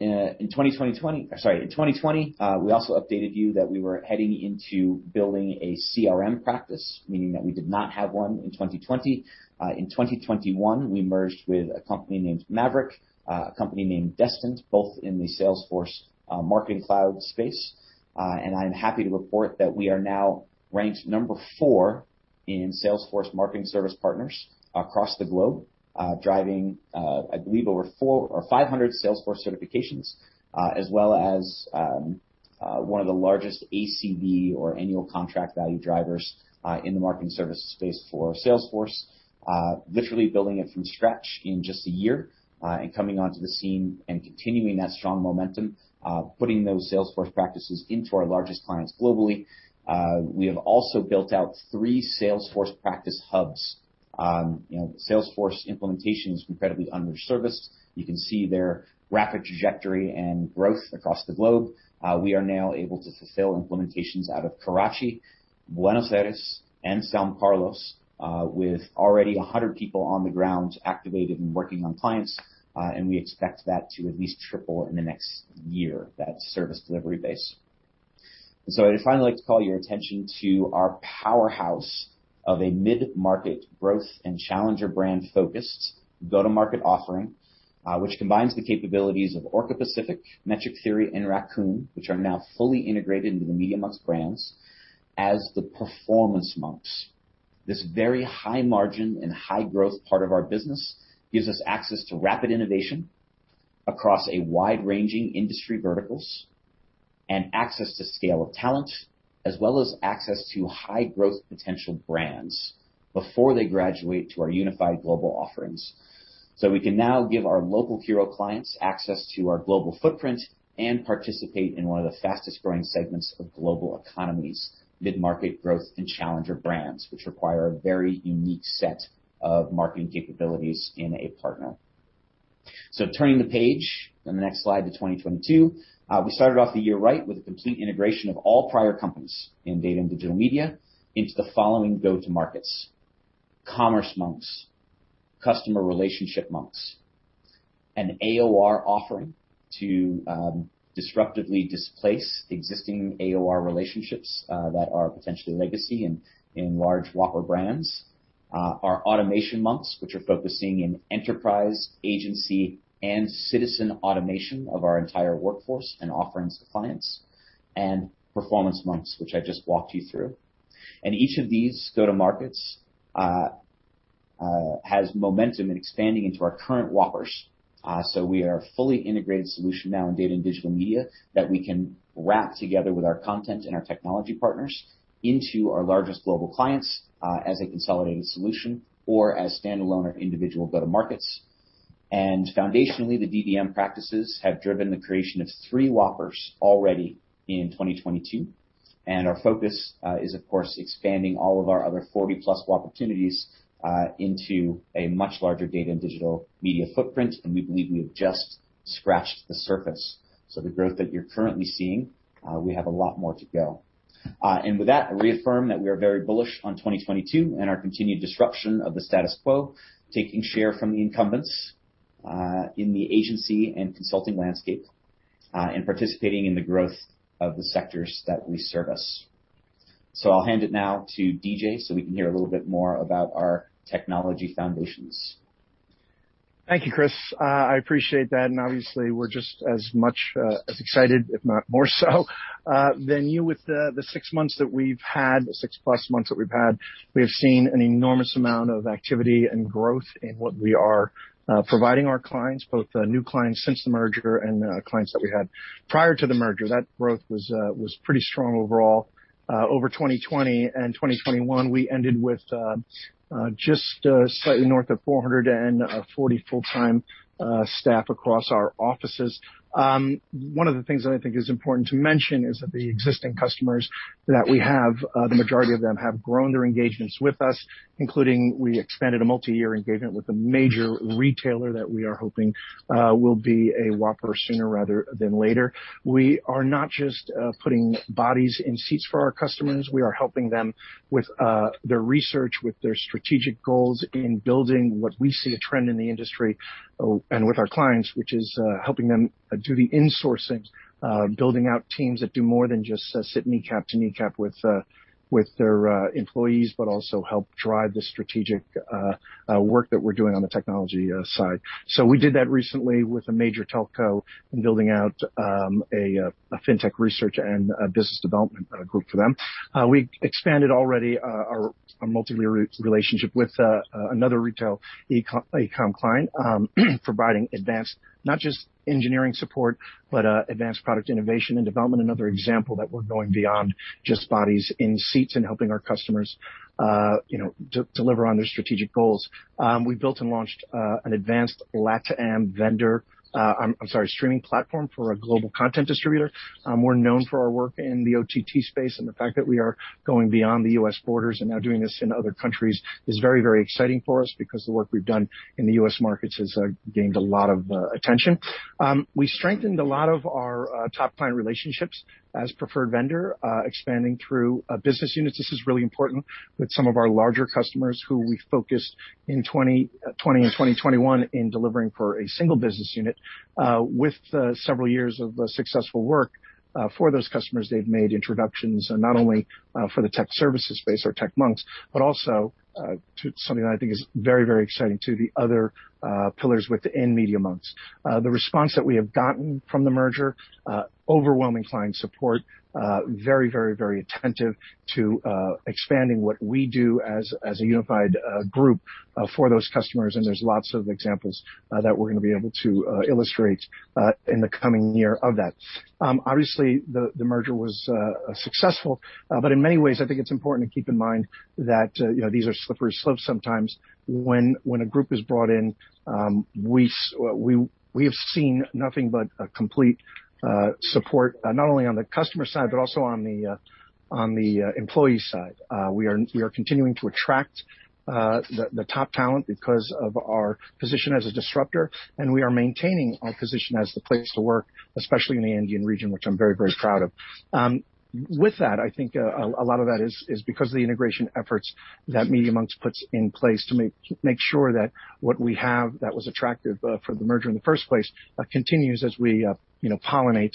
In 2020, we also updated you that we were heading into building a CRM practice, meaning that we did not have one in 2020. In 2021, we merged with a company named Maverick, a company named Destined, both in the Salesforce Marketing Cloud space. I'm happy to report that we are now ranked number four in Salesforce marketing service partners across the globe, driving, I believe over 400 or 500 Salesforce certifications, as well as one of the largest ACV or annual contract value drivers in the marketing service space for Salesforce. Literally building it from scratch in just a year and coming onto the scene and continuing that strong momentum, putting those Salesforce practices into our largest clients globally. We have also built out three Salesforce practice hubs. You know, Salesforce implementation is incredibly underserved. You can see their rapid trajectory and growth across the globe. We are now able to fulfill implementations out of Karachi, Buenos Aires, and São Carlos, with already 100 people on the ground activated and working on clients, and we expect that to at least triple in the next year, that service delivery base. I'd finally like to call your attention to our powerhouse of a mid-market growth and challenger brand-focused go-to-market offering, which combines the capabilities of Orca Pacific, Metric Theory, and Raccoon, which are now fully integrated into the Media.Monks brands as the Performance Monks. This very high-margin and high-growth part of our business gives us access to rapid innovation across a wide-ranging industry verticals and access to scale of talent, as well as access to high growth potential brands before they graduate to our unified global offerings. We can now give our local hero clients access to our global footprint and participate in one of the fastest-growing segments of global economies, mid-market growth and challenger brands, which require a very unique set of marketing capabilities in a partner. Turning the page on the next slide to 2022, we started off the year right with a complete integration of all prior companies in Data & Digital Media into the following go-to markets. Commerce Monks, Customer Relationship Monks, an AOR offering to disruptively displace existing AOR relationships that are potentially legacy in large Whopper brands. Our Automation Monks, which are focusing on enterprise, agency, and citizen automation of our entire workforce and offerings to clients. Performance Monks, which I just walked you through. Each of these go-to markets has momentum in expanding into our current Whoppers. We are a fully integrated solution now in Data & Digital Media that we can wrap together with our content and our technology partners into our largest global clients, as a consolidated solution or as standalone or individual go-to markets. Foundationally, the DDM practices have driven the creation of three Whoppers already in 2022, and our focus is, of course, expanding all of our other 40+ Whopportunities into a much larger Data & Digital Media footprint, and we believe we have just scratched the surface. The growth that you're currently seeing, we have a lot more to go. With that, I reaffirm that we are very bullish on 2022 and our continued disruption of the status quo, taking share from the incumbents in the agency and consulting landscape, and participating in the growth of the sectors that we service. I'll hand it now to DJ so we can hear a little bit more about our technology foundations. Thank you, Chris. I appreciate that. Obviously we're just as much as excited, if not more so, than you with the six-plus months that we've had. We have seen an enormous amount of activity and growth in what we are providing our clients, both new clients since the merger and clients that we had prior to the merger. That growth was pretty strong overall. Over 2020 and 2021, we ended with just slightly north of 440 full-time staff across our offices. One of the things that I think is important to mention is that the existing customers that we have, the majority of them have grown their engagements with us, including we expanded a multi-year engagement with a major retailer that we are hoping will be a Whopper sooner rather than later. We are not just putting bodies in seats for our customers. We are helping them with their research, with their strategic goals in building what we see as a trend in the industry and with our clients, which is helping them do the insourcing, building out teams that do more than just sit knee to knee with their employees, but also help drive the strategic work that we're doing on the technology side. We did that recently with a major telco in building out a fintech research and a business development group for them. We expanded already our multi-year relationship with another retail e-comm client, providing advanced, not just engineering support, but advanced product innovation and development. Another example that we're going beyond just bodies in seats and helping our customers, you know, deliver on their strategic goals. We built and launched an advanced LATAM streaming platform for a global content distributor. I'm sorry. We're known for our work in the OTT space, and the fact that we are going beyond the U.S. borders and now doing this in other countries is very, very exciting for us because the work we've done in the U.S. markets has gained a lot of attention. We strengthened a lot of our top client relationships as preferred vendor, expanding through business units. This is really important with some of our larger customers who we focused in 2020 and 2021 in delivering for a single business unit. With the several years of successful work for those customers, they've made introductions not only for the tech services space or TechMonks, but also to something that I think is very exciting to the other pillars within Media.Monks. The response that we have gotten from the merger, overwhelming client support, very attentive to expanding what we do as a unified group for those customers, and there's lots of examples that we're gonna be able to illustrate in the coming year of that. Obviously the merger was successful, but in many ways, I think it's important to keep in mind that, you know, these are slippery slopes sometimes when a group is brought in, we have seen nothing but a complete support, not only on the customer side, but also on the employee side. We are continuing to attract the top talent because of our position as a disruptor, and we are maintaining our position as the place to work, especially in the Indian region, which I'm very, very proud of. With that, I think a lot of that is because of the integration efforts that Media.Monks puts in place to make sure that what we have that was attractive for the merger in the first place continues as we you know pollinate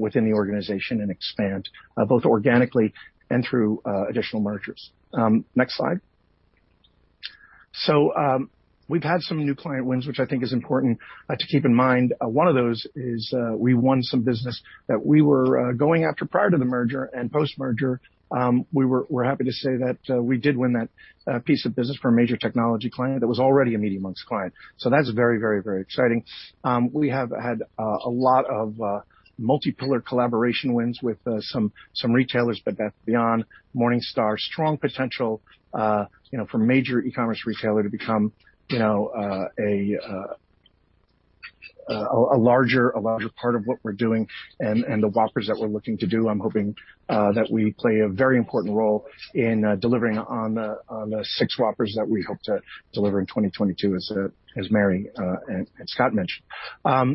within the organization and expand both organically and through additional mergers. Next slide. We've had some new client wins, which I think is important to keep in mind. One of those is we won some business that we were going after prior to the merger and post-merger. We're happy to say that we did win that piece of business for a major technology client that was already a Media.Monks client. That's very exciting. We have had a lot of multi-pillar collaboration wins with some retailers, Bed Bath & Beyond, Morningstar. Strong potential, you know, for a major e-commerce retailer to become, you know, a larger part of what we're doing and the Whoppers that we're looking to do. I'm hoping that we play a very important role in delivering on the six Whoppers that we hope to deliver in 2022 as Mary and Scott mentioned.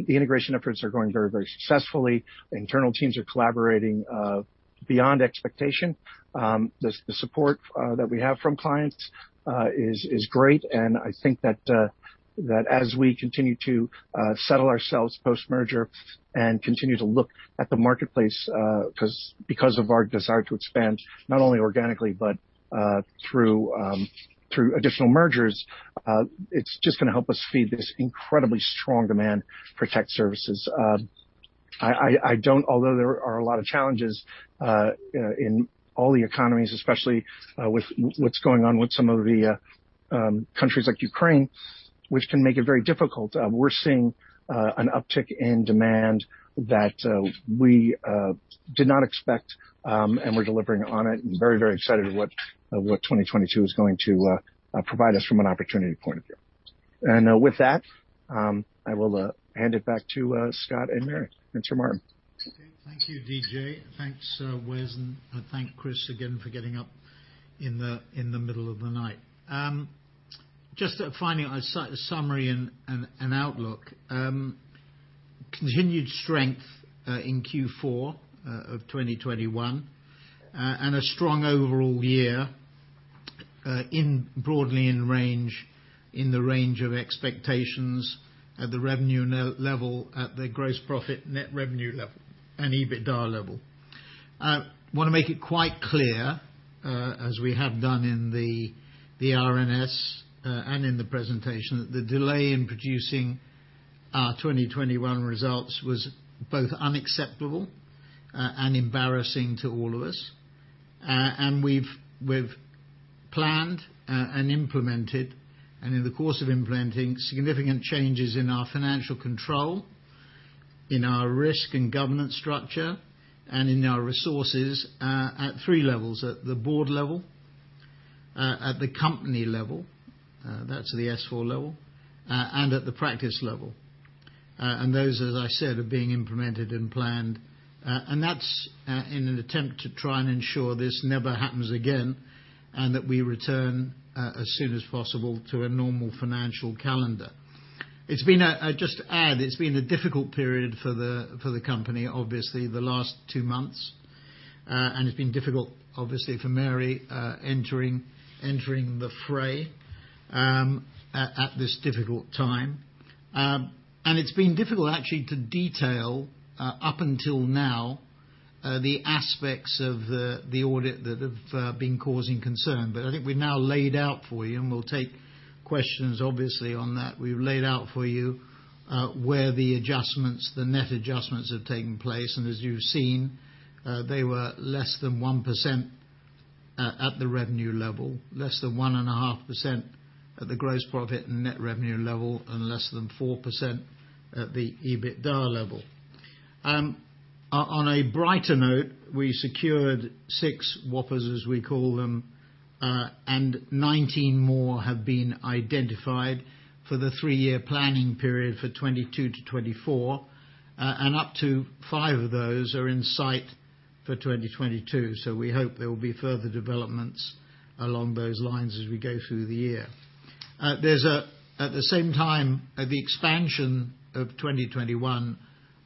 The integration efforts are going very successfully. Internal teams are collaborating beyond expectation. The support that we have from clients is great, and I think that as we continue to settle ourselves post-merger and continue to look at the marketplace, because of our desire to expand, not only organically, but through additional mergers, it's just gonna help us feed this incredibly strong demand for tech services. Although there are a lot of challenges in all the economies, especially with what's going on with some of the countries like Ukraine, which can make it very difficult, we're seeing an uptick in demand that we did not expect, and we're delivering on it and very excited at what 2022 is going to provide us from an opportunity point of view. With that, I will hand it back to Scott and Mary. Thanks very much. Thank you, DJ. Thanks, Wes, and I thank Chris again for getting up in the middle of the night. Just finally a summary and an outlook. Continued strength in Q4 of 2021 and a strong overall year in broadly the range of expectations at the revenue level, at the gross profit net revenue level and EBITDA level. I want to make it quite clear, as we have done in the RNS and in the presentation, that the delay in producing our 2021 results was both unacceptable and embarrassing to all of us. We've planned and implemented, and in the course of implementing, significant changes in our financial control, in our risk and governance structure, and in our resources at three levels. At the board level, at the company level, that's the S4 level, and at the practice level. Those, as I said, are being implemented and planned, and that's in an attempt to try and ensure this never happens again, and that we return as soon as possible to a normal financial calendar. Just to add, it's been a difficult period for the company, obviously, the last two months. It's been difficult obviously for Mary, entering the fray, at this difficult time. It's been difficult actually to detail up until now the aspects of the audit that have been causing concern. But I think we've now laid out for you, and we'll take questions obviously on that. We've laid out for you where the adjustments, the net adjustments have taken place, and as you've seen, they were less than 1% at the revenue level, less than 1.5% at the gross profit and net revenue level, and less than 4% at the EBITDA level. On a brighter note, we secured six Whoppers, as we call them, and 19 more have been identified for the three-year planning period for 2022 to 2024. Up to five of those are in sight for 2022. We hope there will be further developments along those lines as we go through the year. At the same time, the expansion of 2021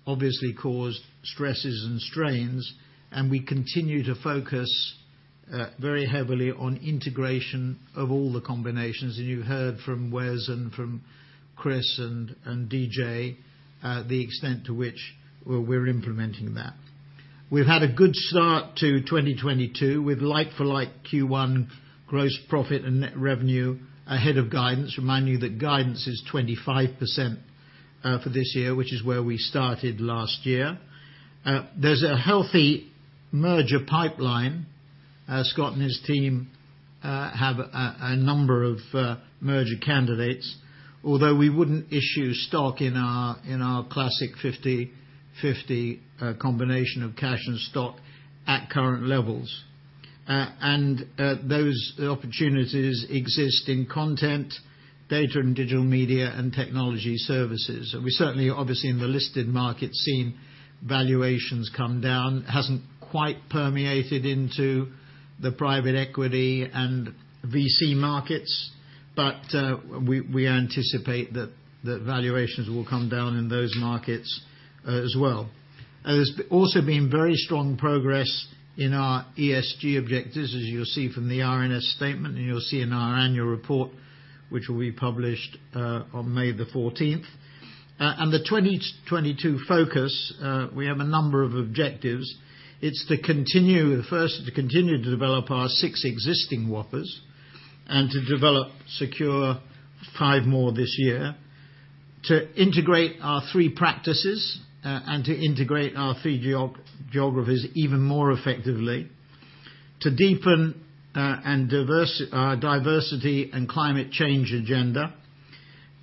obviously caused stresses and strains, and we continue to focus very heavily on integration of all the combinations. You heard from Wes and from Chris and DJ, the extent to which we're implementing that. We've had a good start to 2022 with like-for-like Q1 gross profit and net revenue ahead of guidance. Remind you that guidance is 25% for this year, which is where we started last year. There's a healthy merger pipeline. Scott and his team have a number of merger candidates, although we wouldn't issue stock in our classic 50/50 combination of cash and stock at current levels. Those opportunities exist in content, Data & Digital Media, and Technology Services. We certainly, obviously in the listed market seen, valuations come down. Hasn't quite permeated into the private equity and VC markets, but we anticipate that valuations will come down in those markets as well. There's also been very strong progress in our ESG objectives, as you'll see from the RNS statement, and you'll see in our annual report, which will be published on May 14. The 2022 focus we have a number of objectives. First, to continue to develop our six existing Whoppers and to develop, secure five more this year. To integrate our three practices and to integrate our three geographies even more effectively. To deepen and diversity and climate change agenda.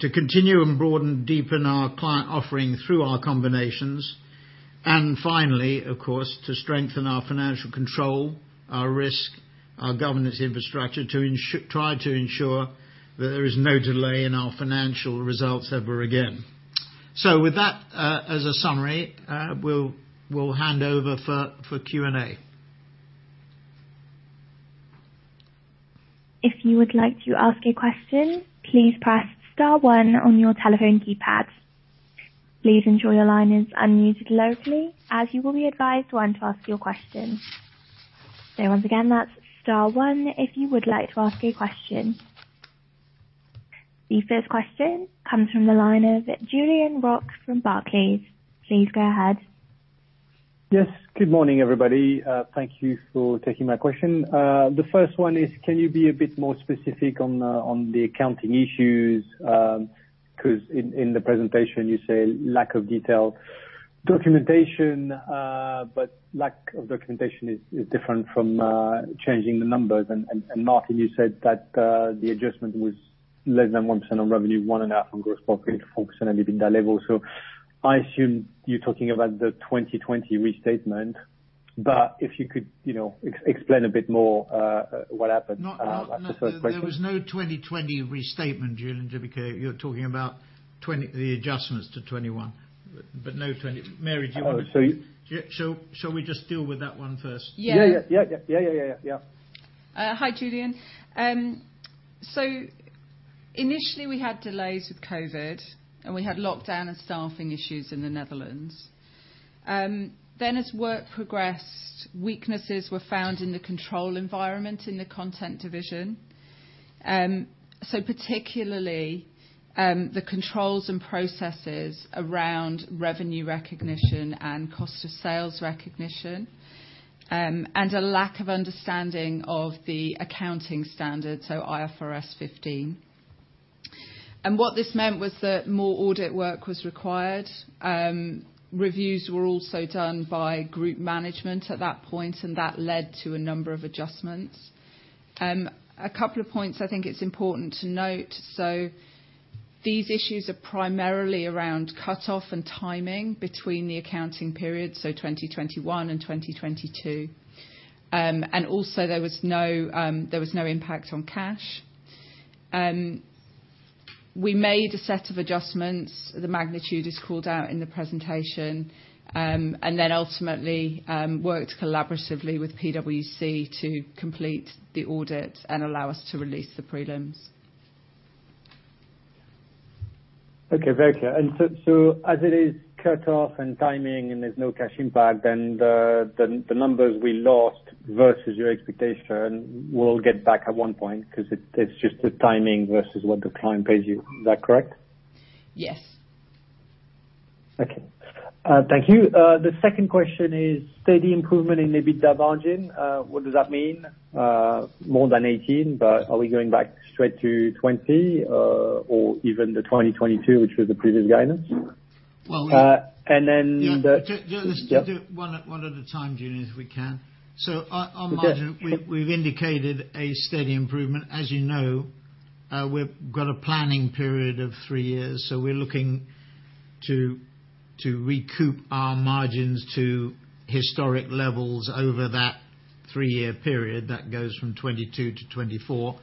To continue and broaden, deepen our client offering through our combinations. Finally, of course, to strengthen our financial control, our risk, our governance infrastructure to try to ensure that there is no delay in our financial results ever again. With that as a summary, we'll hand over for Q&A. If you would like to ask a question, please press star one on your telephone keypad. Please ensure your line is unmuted locally, as you will be advised when to ask your question. Once again, that's star one if you would like to ask a question. The first question comes from the line of Julien Roch from Barclays. Please go ahead. Yes. Good morning, everybody. Thank you for taking my question. The first one is, can you be a bit more specific on the accounting issues? 'Cause in the presentation you say lack of detailed documentation, but lack of documentation is different from changing the numbers. Martin, you said that the adjustment was less than 1% on revenue, 1.5% on gross profit, 4% on EBITDA level. I assume you're talking about the 2020 restatement, but if you could, you know, explain a bit more what happened as the first question. No, no, there was no 2020 restatement, Julien. Just because you're talking about the adjustments to 2020. No 2020. Mary, do you want to- Oh, so you Shall we just deal with that one first? Yeah. Yeah. Hi, Julien. Initially we had delays with COVID, and we had lockdown and staffing issues in the Netherlands. As work progressed, weaknesses were found in the control environment in the content division. Particularly, the controls and processes around revenue recognition and cost of sales recognition, and a lack of understanding of the accounting standards, so IFRS 15. What this meant was that more audit work was required. Reviews were also done by group management at that point, and that led to a number of adjustments. A couple of points I think it's important to note. These issues are primarily around cutoff and timing between the accounting periods, so 2021 and 2022. There was no impact on cash. We made a set of adjustments. The magnitude is called out in the presentation. Ultimately, worked collaboratively with PwC to complete the audit and allow us to release the prelims. Okay. Very clear. As it is cut off and timing and there's no cash impact, then the numbers we lost versus your expectation, we'll get back at one point 'cause it's just the timing versus what the client pays you. Is that correct? Yes. Thank you. The second question is steady improvement in EBITDA margin. What does that mean? More than 18%, but are we going back straight to 20%, or even the 2022, which was the previous guidance? Well, Uh, and then the- Yeah. Do you want us to do- Yeah. One at a time, Julien, if we can. On margin- Okay. We've indicated a steady improvement. As you know, we've got a planning period of three years, so we're looking to recoup our margins to historic levels over that three-year period that goes from 2022 to 2024.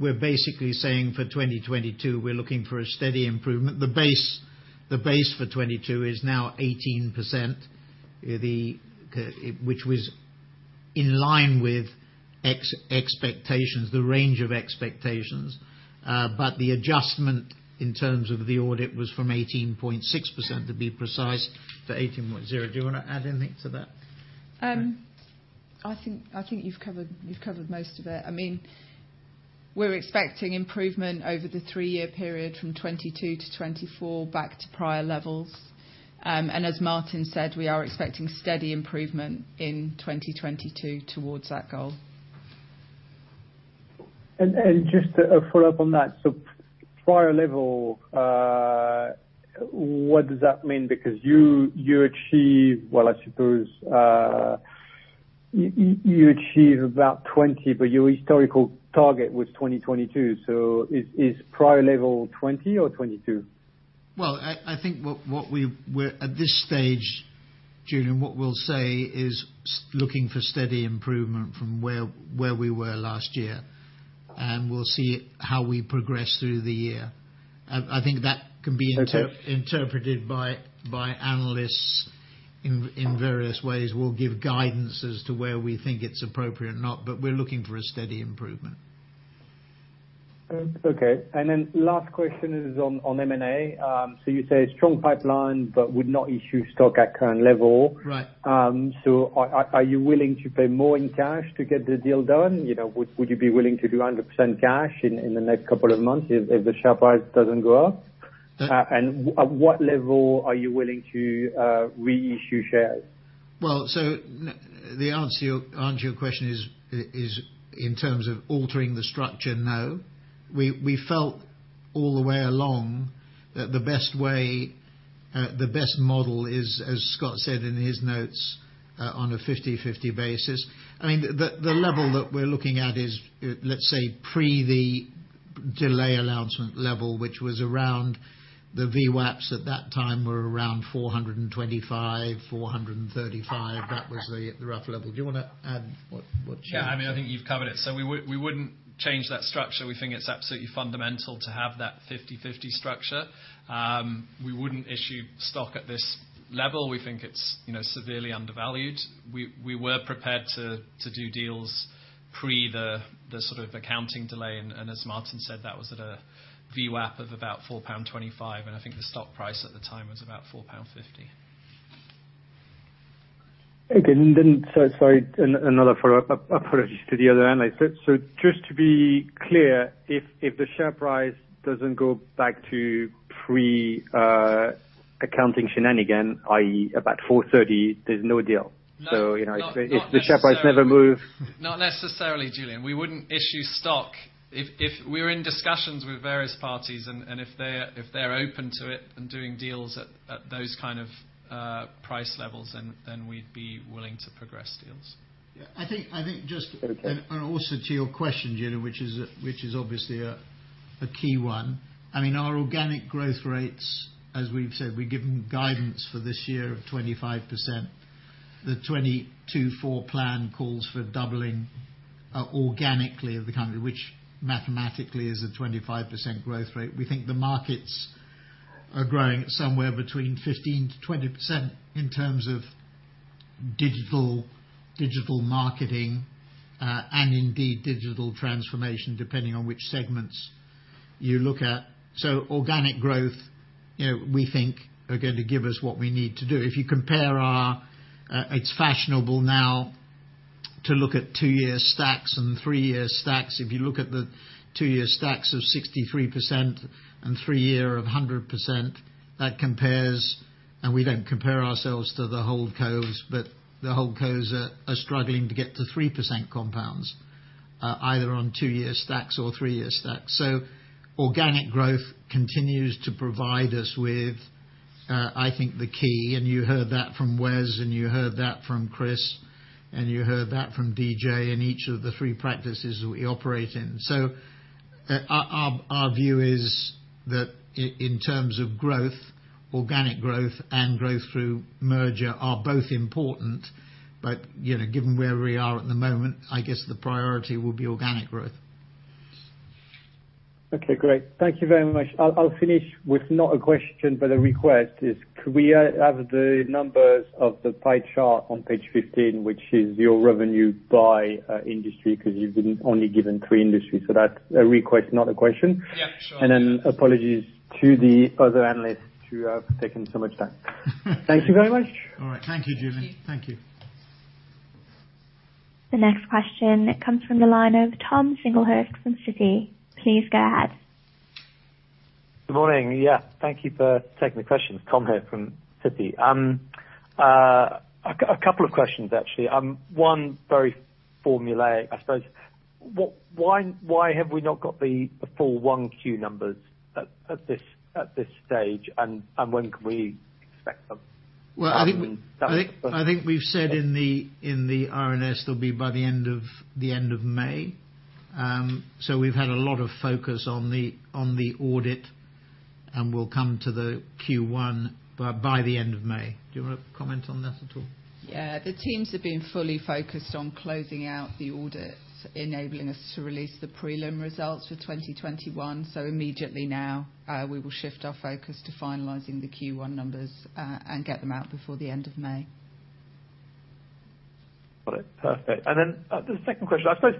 We're basically saying for 2022, we're looking for a steady improvement. The base for 2022 is now 18%. Which was in line with expectations, the range of expectations. But the adjustment in terms of the audit was from 18.6% to 18.0%. Do you wanna add anything to that? I think you've covered most of it. I mean, we're expecting improvement over the three-year period from 2022 to 2024 back to prior levels. As Martin said, we are expecting steady improvement in 2022 towards that goal. Just a follow-up on that. Prior level, what does that mean? Because you achieve about 20%, but your historical target was 20%-22%. Is prior level 20% or 22%? At this stage, Julien, what we'll say is looking for steady improvement from where we were last year, and we'll see how we progress through the year. I think that can be inter- Okay.... interpreted by analysts in various ways. We'll give guidance as to where we think it's appropriate or not, but we're looking for a steady improvement. Okay. Last question is on M&A. You say strong pipeline but would not issue stock at current level. Right. Are you willing to pay more in cash to get the deal done? You know, would you be willing to do 100% cash in the next couple of months if the share price doesn't go up? Yeah. At what level are you willing to reissue shares? Well, the answer to your question is in terms of altering the structure, no. We felt all the way along that the best way, the best model is, as Scott said in his notes, on a 50/50 basis. I mean, the level that we're looking at is, let's say, pre the delay announcement level, which was around the VWAPs at that time were around 4.25-4.35. That was the rough level. Do you wanna add what you- Yeah. I mean, I think you've covered it. We wouldn't change that structure. We think it's absolutely fundamental to have that 50/50 structure. We wouldn't issue stock at this level. We think it's, you know, severely undervalued. We were prepared to do deals pre the sort of accounting delay, and as Martin said, that was at a VWAP of about 4.25 pound, and I think the stock price at the time was about GBP 4.50. Sorry, another follow-up. Apologies to the other analysts. Just to be clear, if the share price doesn't go back to pre-accounting shenanigan, i.e., about 4.30, there's no deal. No. You know. Not necessarily. If the share price never moves. Not necessarily, Julien. We wouldn't issue stock. If we're in discussions with various parties and if they're open to it and doing deals at those kind of price levels, then we'd be willing to progress deals. Yeah. I think. Okay. Also to your question, Julien, which is obviously a key one. I mean, our organic growth rates, as we've said, we've given guidance for this year of 25%. The 2024 plan calls for doubling organically of the company, which mathematically is a 25% growth rate. We think the markets are growing somewhere between 15%-20% in terms of digital marketing and indeed digital transformation, depending on which segments you look at. Organic growth, you know, we think are going to give us what we need to do. If you compare our, it's fashionable now to look at two-year stacks and three-year stacks. If you look at the two-year stacks of 63% and three-year of 100%, that compares. We don't compare ourselves to the hold cos. The hold cos are struggling to get to 3% compound, either on two-year stacks or three-year stacks. Organic growth continues to provide us with, I think, the key, and you heard that from Wes, and you heard that from Chris, and you heard that from DJ in each of the three practices we operate in. Our view is that in terms of growth, organic growth and growth through merger are both important. You know, given where we are at the moment, I guess the priority will be organic growth. Okay, great. Thank you very much. I'll finish with not a question, but a request. Could we have the numbers of the pie chart on page 15, which is your revenue by industry, because you've been only given three industries. That's a request, not a question. Yeah, sure. Apologies to the other analysts who I've taken so much time. Thank you very much. All right. Thank you, Julien. Thank you. Thank you. The next question comes from the line of Tom Singlehurst from Citi. Please go ahead. Good morning. Yeah. Thank you for taking the questions. Tom here from Citi. I've got a couple of questions, actually. One very formulaic, I suppose. Why have we not got the full 1Q numbers at this stage, and when can we expect them? Well, I think we've said in the RNS, they'll be by the end of May. We've had a lot of focus on the audit, and we'll come to the Q1 by the end of May. Do you wanna comment on that at all? Yeah. The teams have been fully focused on closing out the audits, enabling us to release the prelim results for 2021. Immediately now, we will shift our focus to finalizing the Q1 numbers, and get them out before the end of May. Got it. Perfect. The second question. I suppose,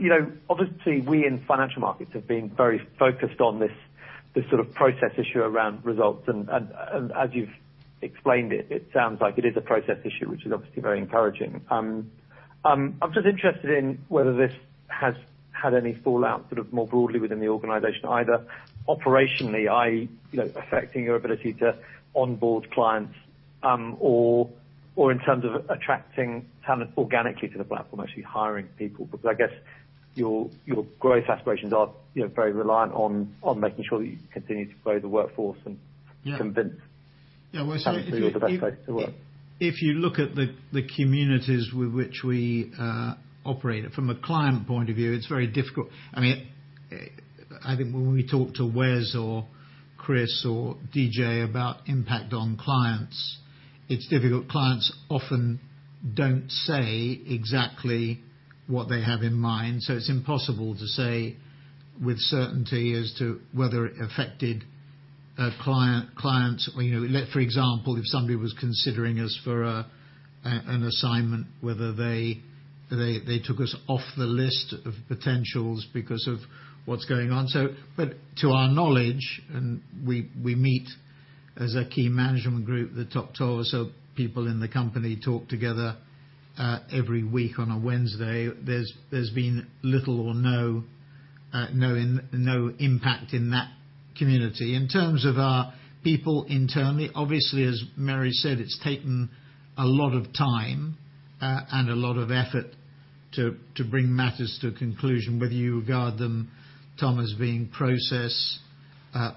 you know, obviously we in financial markets have been very focused on this sort of process issue around results. As you've explained it sounds like it is a process issue, which is obviously very encouraging. I'm just interested in whether this has had any fallout sort of more broadly within the organization, either operationally, i.e., you know, affecting your ability to onboard clients, or in terms of attracting talent organically to the platform, actually hiring people. Because I guess your growth aspirations are, you know, very reliant on making sure that you continue to grow the workforce and- Yeah.... convince- Yeah. Well, if you- This is the best place to work. If you look at the communities with which we operate, from a client point of view, it's very difficult. I mean, I think when we talk to Wes or Chris or DJ about impact on clients, it's difficult. Clients often don't say exactly what they have in mind, so it's impossible to say with certainty as to whether it affected a client. You know, for example, if somebody was considering us for an assignment, whether they took us off the list of potentials because of what's going on. But to our knowledge, and we meet as a key management group that talks also, people in the company talk together every week on a Wednesday. There's been little or no impact in that community. In terms of our people internally, obviously, as Mary said, it's taken a lot of time and a lot of effort to bring matters to a conclusion whether you regard them, Tom, as being process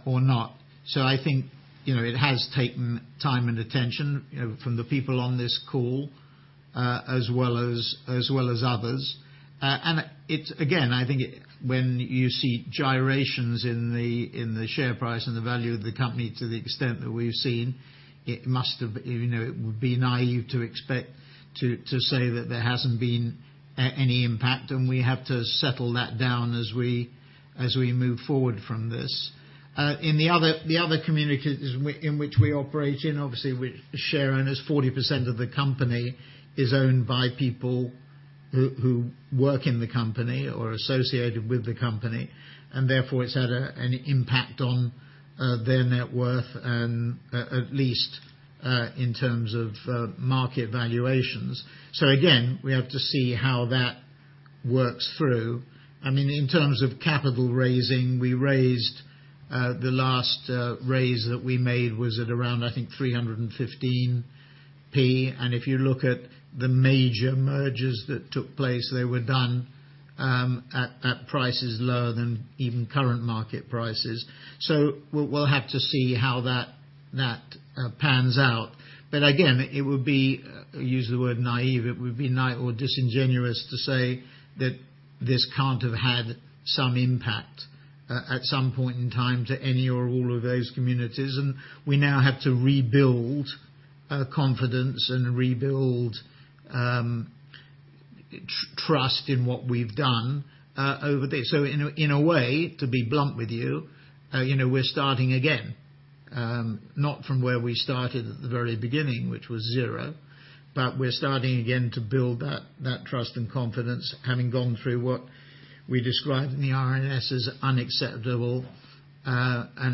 or not. I think, you know, it has taken time and attention, you know, from the people on this call as well as others. It's again, I think when you see gyrations in the share price and the value of the company to the extent that we've seen, it must have. You know, it would be naïve to expect to say that there hasn't been any impact, and we have to settle that down as we move forward from this. In the other communities in which we operate, obviously with shareowners, 40% of the company is owned by people who work in the company or associated with the company, and therefore it's had an impact on their net worth and at least in terms of market valuations. Again, we have to see how that works through. I mean, in terms of capital raising, we raised the last raise that we made was at around, I think, 315p. If you look at the major mergers that took place, they were done at prices lower than even current market prices. We'll have to see how that pans out. It would be naïve or disingenuous to say that this can't have had some impact at some point in time to any or all of those communities. We now have to rebuild confidence and rebuild trust in what we've done over this. In a way, to be blunt with you know, we're starting again. Not from where we started at the very beginning, which was zero. We're starting again to build that trust and confidence, having gone through what we described in the RNS as an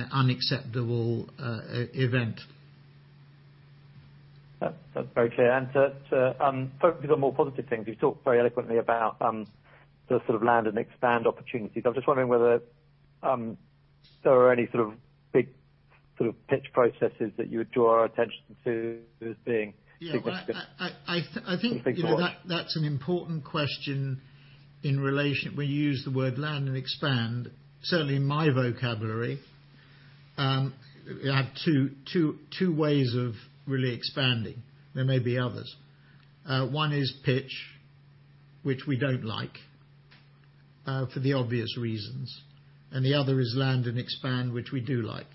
unacceptable event. That's very clear. To focus on more positive things, you've talked very eloquently about the sort of land and expand opportunities. I'm just wondering whether there are any sort of big sort of pitch processes that you would draw our attention to as being significant. I think, you know, that's an important question in relation. We use the word land and expand. Certainly in my vocabulary, we have two ways of really expanding. There may be others. One is pitch, which we don't like for the obvious reasons, and the other is land and expand, which we do like.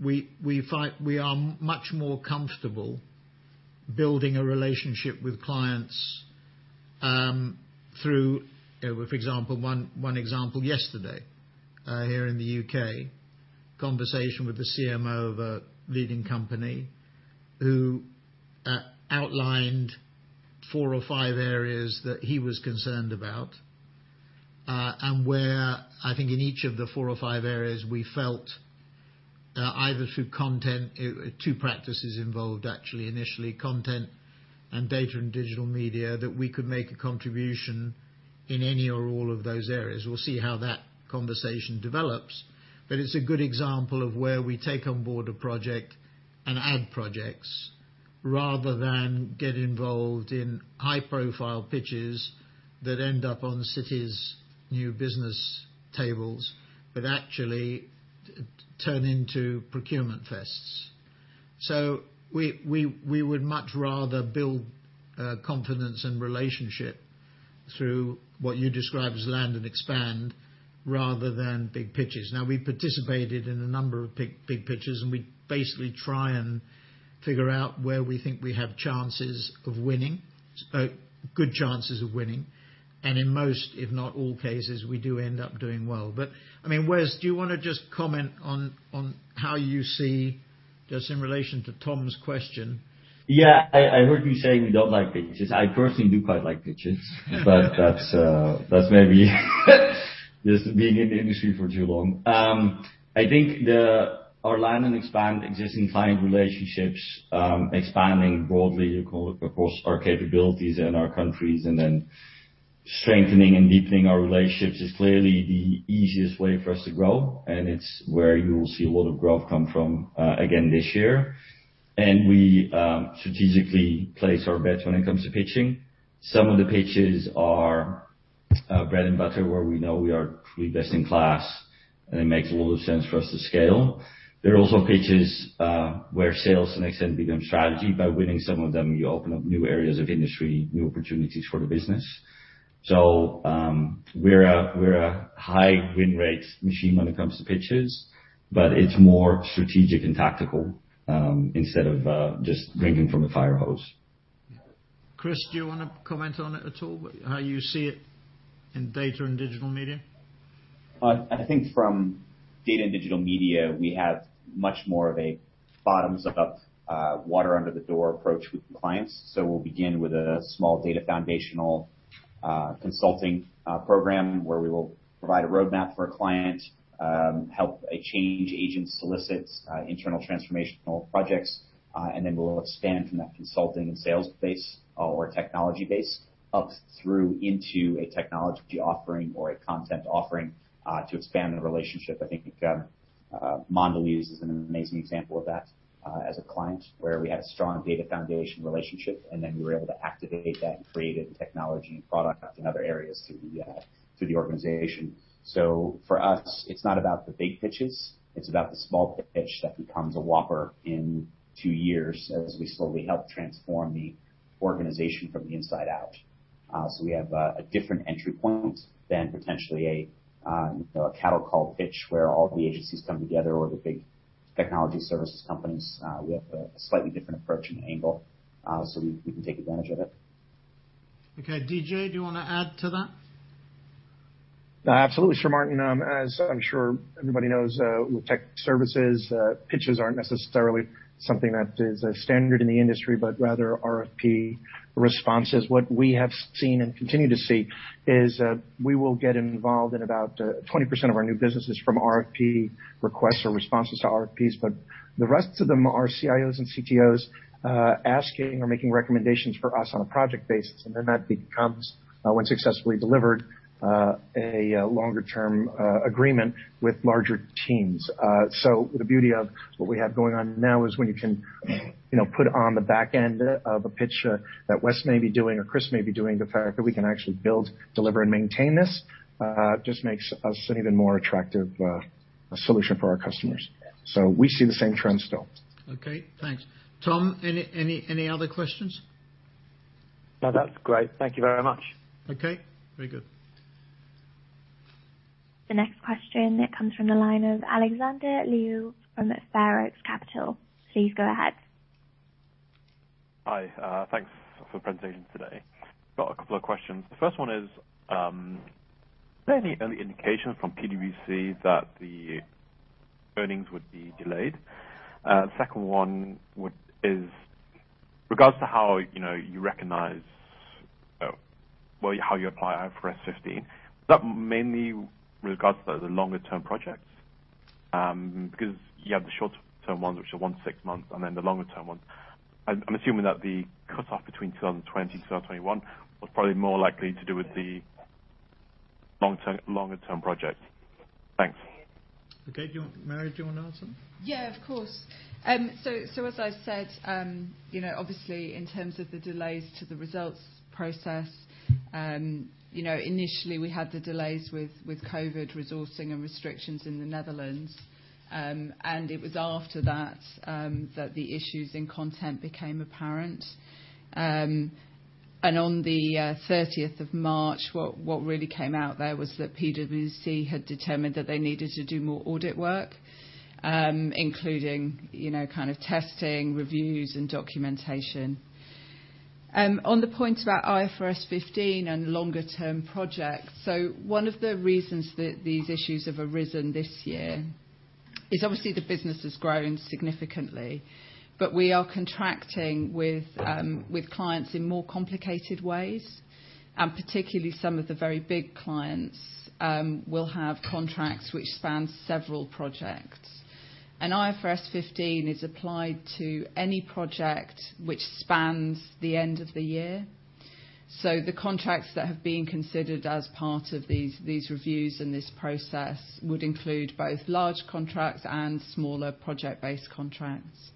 We find we are much more comfortable building a relationship with clients through. For example, one example yesterday here in the U.K., conversation with the CMO of a leading company who outlined four or five areas that he was concerned about, and where I think in each of the four or five areas we felt, either through Content, two practices involved actually initially, Content and Data & Digital Media, that we could make a contribution in any or all of those areas. We'll see how that conversation develops, but it's a good example of where we take on board a project and add projects rather than get involved in high-profile pitches that end up on Citi's new business tables, but actually turn into procurement fests. We would much rather build confidence and relationship through what you describe as land and expand rather than big pitches. Now we participated in a number of big, big pitches, and we basically try and figure out where we think we have chances of winning, good chances of winning. In most, if not all cases, we do end up doing well. I mean, Wes, do you wanna just comment on how you see, just in relation to Tom's question? Yeah. I heard you saying we don't like pitches. I personally do quite like pitches. But that's maybe just being in the industry for too long. I think our land and expand existing client relationships, expanding broadly across our capabilities and our countries and then strengthening and deepening our relationships is clearly the easiest way for us to grow, and it's where you will see a lot of growth come from again this year. We strategically place our bets when it comes to pitching. Some of the pitches are bread and butter, where we know we are truly best in class, and it makes a lot of sense for us to scale. There are also pitches where sales to an extent become strategy. By winning some of them, you open up new areas of industry, new opportunities for the business. We're a high win rate machine when it comes to pitches, but it's more strategic and tactical, instead of just drinking from a fire hose. Chris, do you wanna comment on it at all, how you see it in Data & Digital Media? I think from Data & Digital Media, we have much more of a bottoms-up, water under the door approach with clients. We'll begin with a small data foundational consulting program where we will provide a roadmap for a client, help a change agent solicit internal transformational projects, and then we'll expand from that consulting and sales base or technology base up through into a technology offering or a content offering to expand the relationship. I think Mondelēz is an amazing example of that as a client where we had a strong data foundation relationship and then we were able to activate that and create a technology product in other areas to the organization. For us, it's not about the big pitches, it's about the small pitch that becomes a Whopper in two years as we slowly help transform the organization from the inside out. We have a different entry point than potentially a, you know, a cattle call pitch where all the agencies come together or the big technology services companies. We have a slightly different approach and angle, we can take advantage of it. Okay. DJ, do you wanna add to that? Absolutely, Sir Martin. As I'm sure everybody knows, with Technology Services, pitches aren't necessarily something that is standard in the industry, but rather RFP responses. What we have seen and continue to see is that we will get involved in about 20% of our new businesses from RFP requests or responses to RFPs, but the rest of them are CIOs and CTOs asking or making recommendations for us on a project basis. Then that becomes, when successfully delivered, a longer term agreement with larger teams. The beauty of what we have going on now is when you can, you know, put on the back end of a pitch that Wes may be doing or Chris may be doing the fact that we can actually build, deliver, and maintain this, just makes us an even more attractive, solution for our customers. We see the same trends still. Okay. Thanks. Tom, any other questions? No, that's great. Thank you very much. Okay. Very good. The next question comes from the line of Alexander Liu from Fair Oaks Capital. Please go ahead. Hi, thanks for the presentation today. Got a couple of questions. The first one is, were there any early indications from PwC that the earnings would be delayed? Second one is regards to how, you know, you recognize, well, how you apply IFRS 15. Is that mainly regards to the longer-term projects? Because you have the short-term ones, which are one-six months, and then the longer-term ones. I'm assuming that the cutoff between 2020 to 2021 was probably more likely to do with the long-term, longer-term projects. Thanks. Okay. Do you want Mary, do you wanna answer? Yeah, of course. As I said, you know, obviously in terms of the delays to the results process, you know, initially we had the delays with COVID resourcing and restrictions in the Netherlands. It was after that that the issues in Content became apparent. On the thirtieth of March, what really came out there was that PwC had determined that they needed to do more audit work, including, you know, kind of testing, reviews and documentation. On the point about IFRS 15 and longer-term projects. One of the reasons that these issues have arisen this year is obviously the business has grown significantly, but we are contracting with clients in more complicated ways, and particularly some of the very big clients will have contracts which span several projects. IFRS 15 is applied to any project which spans the end of the year. The contracts that have been considered as part of these reviews and this process would include both large contracts and smaller project-based contracts.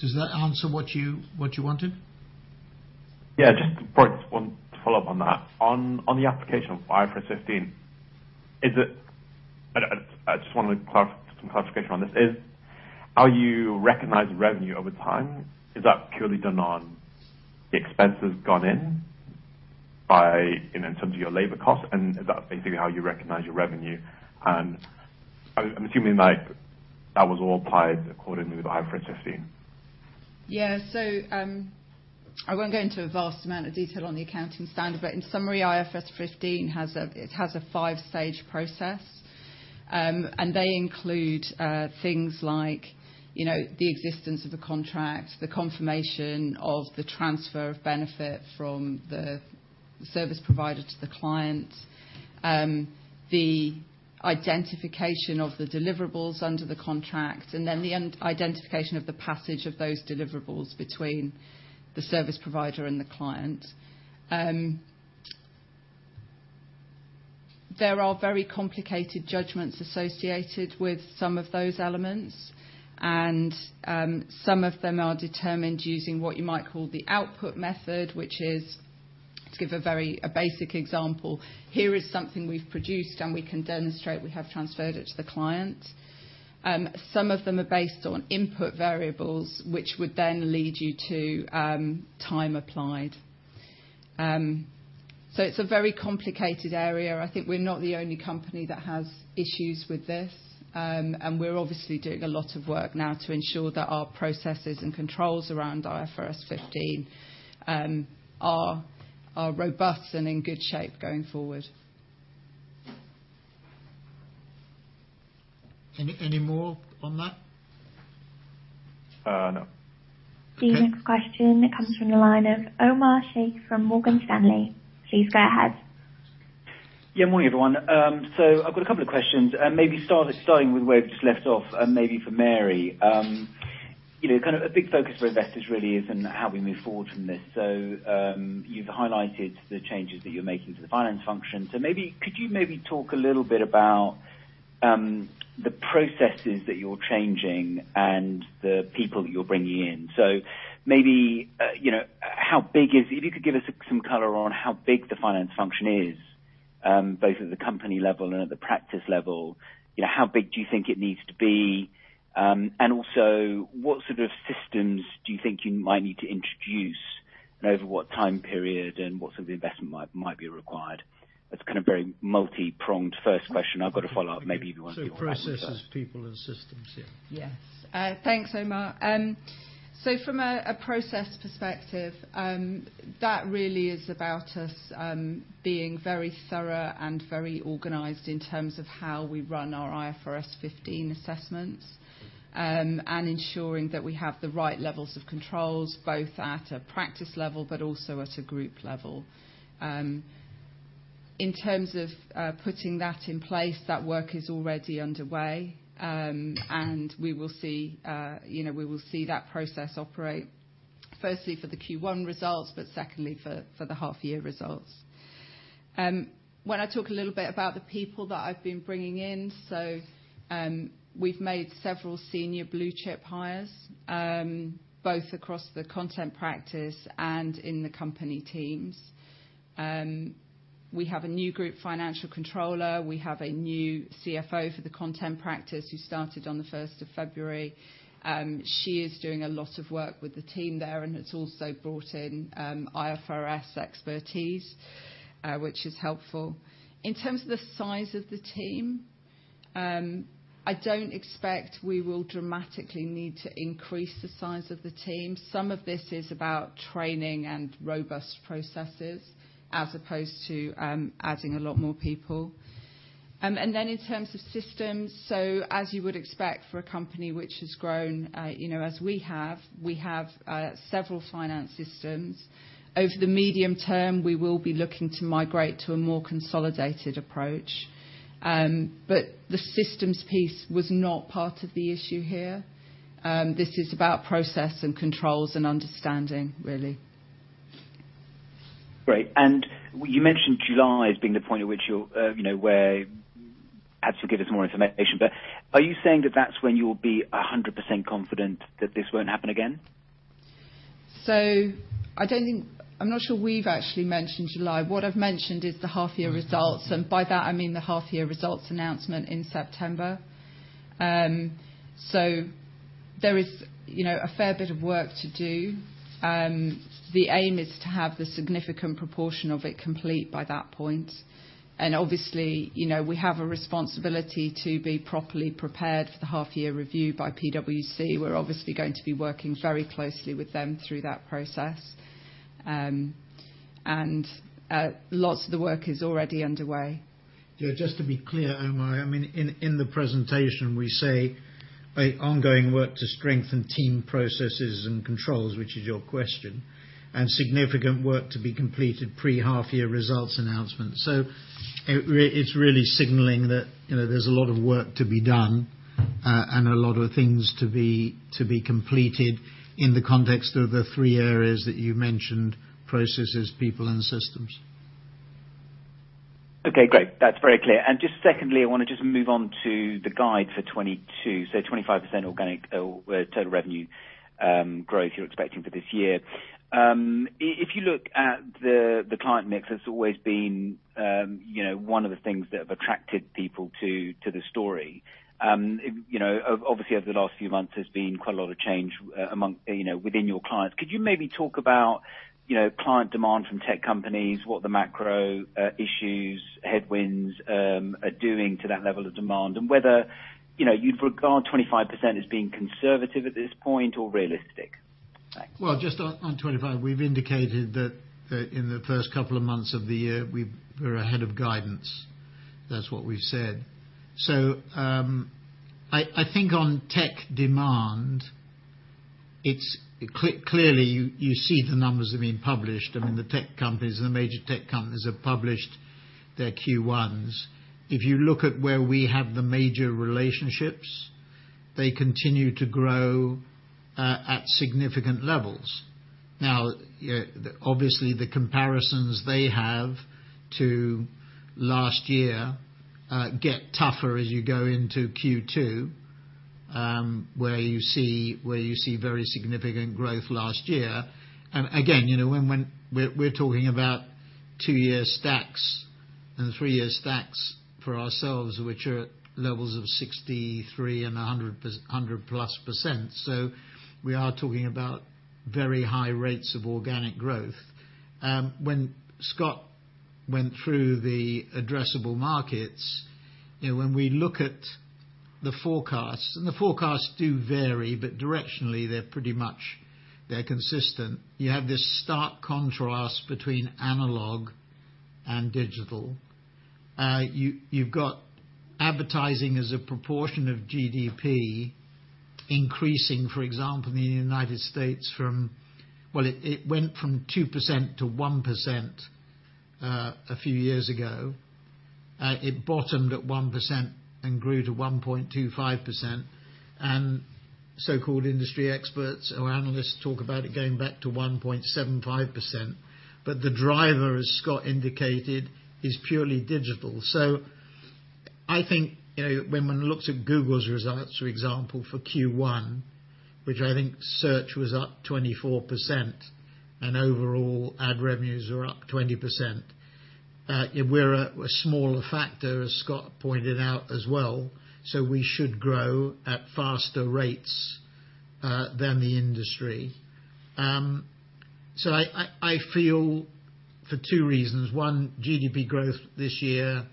Does that answer what you wanted? Yeah, just perhaps want to follow up on that. On the application of IFRS 15. I just wanted some clarification on this. Is how you recognize revenue over time purely done on the expenses incurred by, you know, in terms of your labor costs, and is that basically how you recognize your revenue? I'm assuming like that was all applied accordingly with IFRS 15. I won't go into a vast amount of detail on the accounting standard, but in summary, IFRS 15 has a five-stage process. They include things like, you know, the existence of a contract, the confirmation of the transfer of benefit from the service provider to the client, the identification of the deliverables under the contract, and then the identification of the passage of those deliverables between the service provider and the client. There are very complicated judgments associated with some of those elements, and some of them are determined using what you might call the output method, which is, to give a basic example, something we've produced, and we can demonstrate we have transferred it to the client. Some of them are based on input variables, which would then lead you to time applied. It's a very complicated area. I think we're not the only company that has issues with this. We're obviously doing a lot of work now to ensure that our processes and controls around IFRS 15 are robust and in good shape going forward. Any more on that? No. Okay. The next question comes from the line of Omar Sheikh from Morgan Stanley. Please go ahead. Morning, everyone. I've got a couple of questions. Starting with where we just left off, maybe for Mary. You know, kind of a big focus for investors really is on how we move forward from this. You've highlighted the changes that you're making to the finance function. Could you maybe talk a little bit about the processes that you're changing and the people that you're bringing in. Maybe you know, how big is the finance function. If you could give us some color on how big the finance function is, both at the company level and at the practice level. You know, how big do you think it needs to be? Also what sort of systems do you think you might need to introduce and over what time period and what sort of investment might be required? That's kind of very multi-pronged first question. I've got a follow-up. Maybe if you want to. Processes, people and systems. Yeah. Yes. Thanks, Omar. From a process perspective, that really is about us being very thorough and very organized in terms of how we run our IFRS 15 assessments, and ensuring that we have the right levels of controls, both at a practice level but also at a group level. In terms of putting that in place, that work is already underway. We will see, you know, that process operate firstly for the Q1 results, but secondly for the half year results. When I talk a little bit about the people that I've been bringing in. We've made several senior blue chip hires, both across the Content practice and in the company teams. We have a new group financial controller. We have a new CFO for the Content practice, who started on the first of February. She is doing a lot of work with the team there and has also brought in IFRS expertise, which is helpful. In terms of the size of the team, I don't expect we will dramatically need to increase the size of the team. Some of this is about training and robust processes as opposed to adding a lot more people. In terms of systems, as you would expect for a company which has grown, you know, as we have, we have several finance systems. Over the medium term, we will be looking to migrate to a more consolidated approach. The systems piece was not part of the issue here. This is about process and controls and understanding really. Great. You mentioned July as being the point at which you'll have to give us more information, but are you saying that that's when you will be 100% confident that this won't happen again? I'm not sure we've actually mentioned July. What I've mentioned is the half-year results, and by that I mean the half-year results announcement in September. There is, you know, a fair bit of work to do. The aim is to have the significant proportion of it complete by that point. Obviously, you know, we have a responsibility to be properly prepared for the half-year review by PwC. We're obviously going to be working very closely with them through that process. Lots of the work is already underway. Yeah, just to be clear, Omar, I mean, in the presentation, we say ongoing work to strengthen team processes and controls, which is your question, and significant work to be completed pre-half year results announcement. So it's really signaling that, you know, there's a lot of work to be done, and a lot of things to be completed in the context of the three areas that you mentioned, processes, people, and systems. Okay, great. That's very clear. Just secondly, I wanna just move on to the guide for 2022. 25% organic or total revenue growth you're expecting for this year. If you look at the client mix, it's always been, you know, one of the things that have attracted people to the story. You know, obviously, over the last few months, there's been quite a lot of change among, you know, within your clients. Could you maybe talk about, you know, client demand from tech companies, what the macro issues, headwinds are doing to that level of demand, and whether, you know, you'd regard 25% as being conservative at this point or realistic? Thanks. Well, just on 25%, we've indicated that in the first couple of months of the year, we're ahead of guidance. That's what we've said. I think on tech demand, it's clearly you see the numbers that have been published. I mean, the tech companies and the major tech companies have published their Q1s. If you look at where we have the major relationships, they continue to grow at significant levels. Now, obviously the comparisons they have to last year get tougher as you go into Q2, where you see very significant growth last year. Again, you know, when we're talking about two-year stacks and three-year stacks for ourselves, which are levels of 63% and 100%+. We are talking about very high rates of organic growth. When Scott went through the addressable markets, you know, when we look at the forecasts, and the forecasts do vary, but directionally, they're pretty much consistent. You have this stark contrast between analog and digital. You've got advertising as a proportion of GDP increasing, for example, in the United States. It went from 2% to 1% a few years ago. It bottomed at 1% and grew to 1.25%. So-called industry experts or analysts talk about it going back to 1.75%. The driver, as Scott indicated, is purely digital. I think, you know, when one looks at Google's results, for example, for Q1, which I think search was up 24% and overall ad revenues are up 20%, we're a smaller factor, as Scott pointed out as well, so we should grow at faster rates than the industry. I feel for two reasons. One, GDP growth this year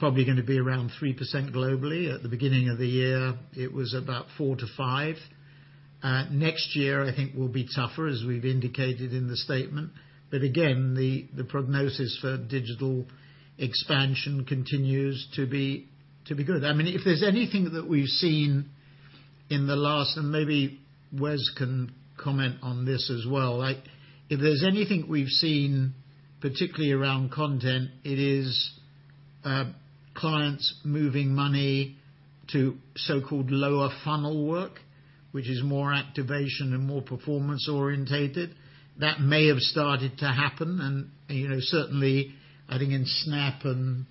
is probably gonna be around 3% globally. At the beginning of the year, it was about 4%-5%. Next year I think will be tougher, as we've indicated in the statement. Again, the prognosis for digital expansion continues to be good. I mean, if there's anything that we've seen in the last, and maybe Wes can comment on this as well, like if there's anything we've seen particularly around content, it is, clients moving money to so-called lower funnel work, which is more activation and more performance oriented. That may have started to happen and, you know, certainly I think in Snap and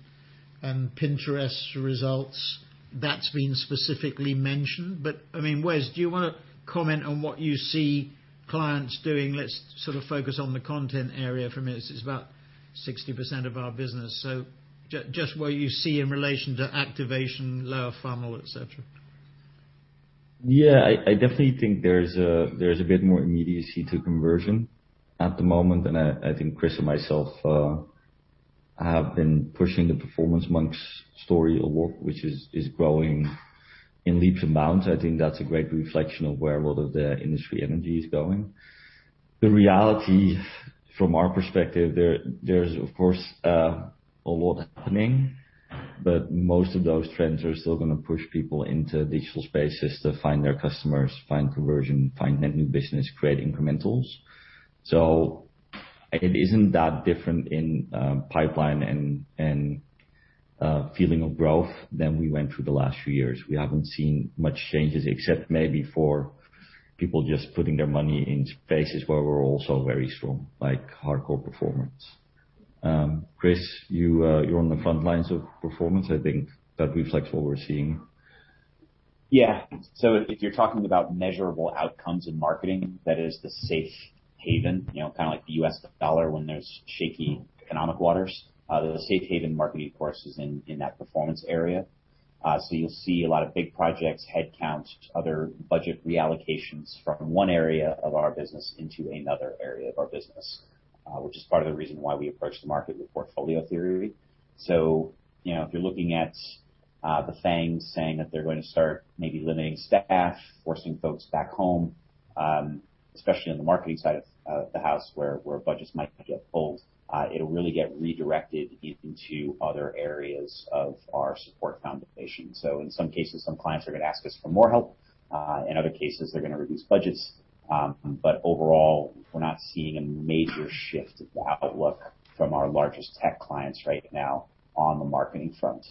Pinterest results, that's been specifically mentioned. I mean, Wes, do you wanna comment on what you see clients doing? Let's sort of focus on the content area for a minute. It's about 60% of our business. Just what you see in relation to activation, lower funnel, et cetera. Yeah, I definitely think there's a bit more immediacy to conversion at the moment, and I think Chris and myself have been pushing the Performance Monks story a lot, which is growing in leaps and bounds. I think that's a great reflection of where a lot of the industry energy is going. The reality from our perspective, there's of course a lot happening, but most of those trends are still gonna push people into digital spaces to find their customers, find conversion, find net new business, create incrementals. It isn't that different in pipeline and feeling of growth than we went through the last few years. We haven't seen much changes except maybe for people just putting their money in spaces where we're also very strong, like hardcore performance. Chris, you're on the front lines of performance. I think that reflects what we're seeing. Yeah. If you're talking about measurable outcomes in marketing, that is the safe haven, you know, kind of like the U.S. dollar when there's shaky economic waters. The safe haven marketing, of course, is in that performance area. You'll see a lot of big projects, headcounts, other budget reallocations from one area of our business into another area of our business, which is part of the reason why we approach the market with portfolio theory. You know, if you're looking at the FAANGs saying that they're going to start maybe limiting staff, forcing folks back home, especially on the marketing side of the house, where budgets might get pulled, it'll really get redirected into other areas of our support foundation. In some cases, some clients are gonna ask us for more help. In other cases, they're gonna reduce budgets. Overall, we're not seeing a major shift in the outlook from our largest tech clients right now on the marketing front.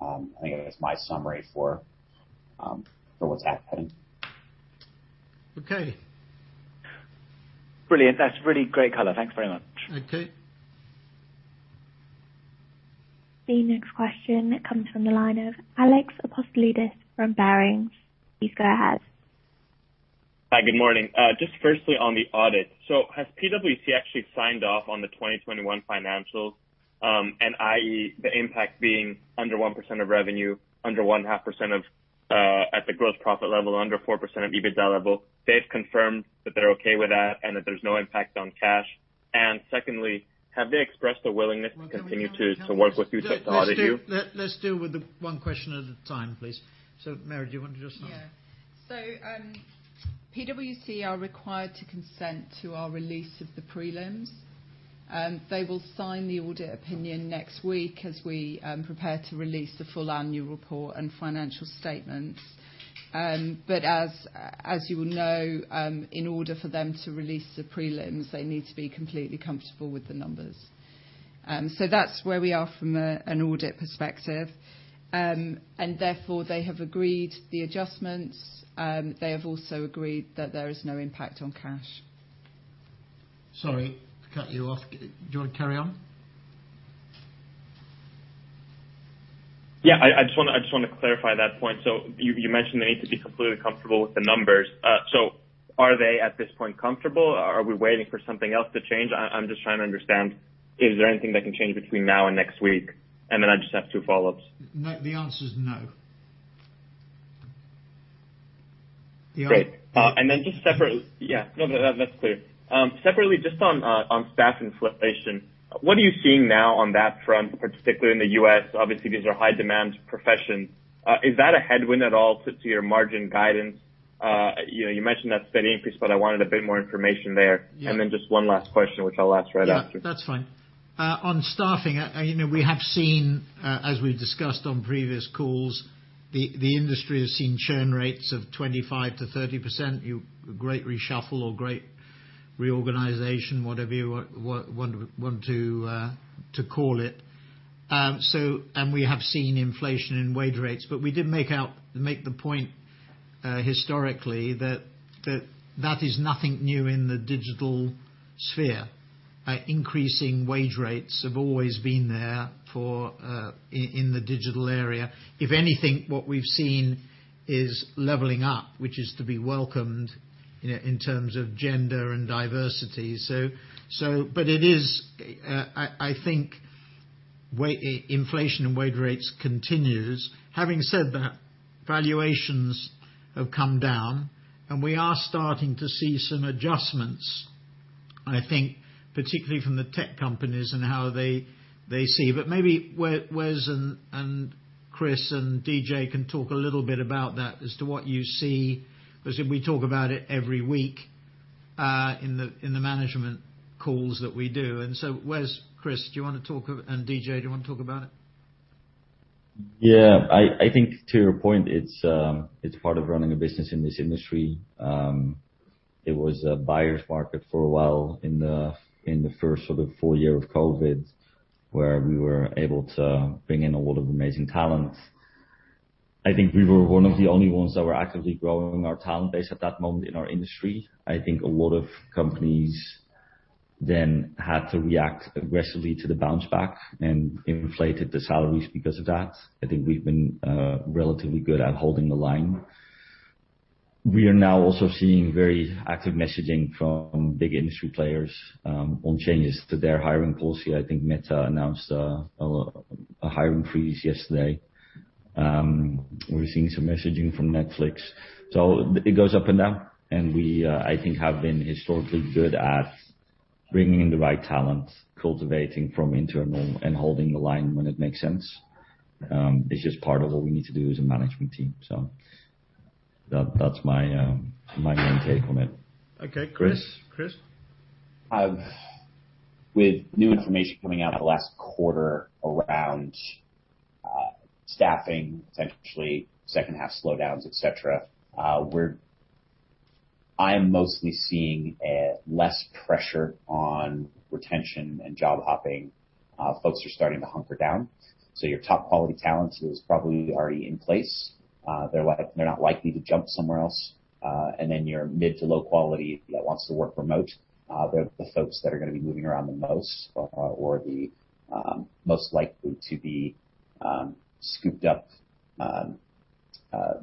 I think that's my summary for what's happening. Okay. Brilliant. That's really great color. Thanks very much. Okay. The next question comes from the line of Alex Apostolides from Barings. Please go ahead. Hi, good morning. Just firstly on the audit. Has PwC actually signed off on the 2021 financials, and i.e., the impact being under 1% of revenue, under 0.5% of, at the gross profit level, under 4% of EBITDA level? They've confirmed that they're okay with that and that there's no impact on cash. Secondly, have they expressed a willingness to continue to work with you to audit you? Let's deal with the one question at a time, please. Mary, do you want to just start? Yeah. PwC are required to consent to our release of the prelims. They will sign the audit opinion next week as we prepare to release the full annual report and financial statements. As you will know, in order for them to release the prelims, they need to be completely comfortable with the numbers. That's where we are from an audit perspective. Therefore, they have agreed the adjustments. They have also agreed that there is no impact on cash. Sorry to cut you off. Do you wanna carry on? Yeah, I just wanna clarify that point. You mentioned they need to be completely comfortable with the numbers. So are they at this point comfortable? Are we waiting for something else to change? I'm just trying to understand, is there anything that can change between now and next week? Then I just have two follow-ups. No, the answer is no. Yeah. Great. Yeah. No, that's clear. Separately, just on staff inflation, what are you seeing now on that front, particularly in the U.S.? Obviously, these are high demand professions. Is that a headwind at all to your margin guidance? You know, you mentioned that steady increase, but I wanted a bit more information there. Yeah. Just one last question, which I'll ask right after. Yeah. That's fine. On staffing, you know, we have seen, as we've discussed on previous calls, the industry has seen churn rates of 25%-30%. Great reshuffle or great reorganization, whatever you want to call it. We have seen inflation in wage rates, but we did make the point, historically that that is nothing new in the digital sphere. Increasing wage rates have always been there for, in the digital area. If anything, what we've seen is leveling up, which is to be welcomed, you know, in terms of gender and diversity. But it is, I think inflation in wage rates continues. Having said that, valuations have come down, and we are starting to see some adjustments, I think particularly from the tech companies and how they see. But maybe Wes and Chris and DJ can talk a little bit about that as to what you see, 'cause we talk about it every week in the management calls that we do. Wes, Chris, do you wanna talk, and DJ, do you wanna talk about it? Yeah. I think to your point, it's part of running a business in this industry. It was a buyer's market for a while in the first sort of full year of COVID, where we were able to bring in a lot of amazing talent. I think we were one of the only ones that were actively growing our talent base at that moment in our industry. I think a lot of companies then had to react aggressively to the bounce back and inflated the salaries because of that. I think we've been relatively good at holding the line. We are now also seeing very active messaging from big industry players on changes to their hiring policy. I think Meta announced a hiring freeze yesterday. We're seeing some messaging from Netflix. It goes up and down, and we, I think, have been historically good at bringing in the right talent, cultivating from internal and holding the line when it makes sense is just part of what we need to do as a management team. That's my main take on it. Okay. Chris? With new information coming out in the last quarter around staffing, essentially second half slowdowns, et cetera, I am mostly seeing less pressure on retention and job hopping. Folks are starting to hunker down. Your top quality talent who is probably already in place, they're not likely to jump somewhere else. Then your mid to low quality that wants to work remote, they're the folks that are gonna be moving around the most or the most likely to be scooped up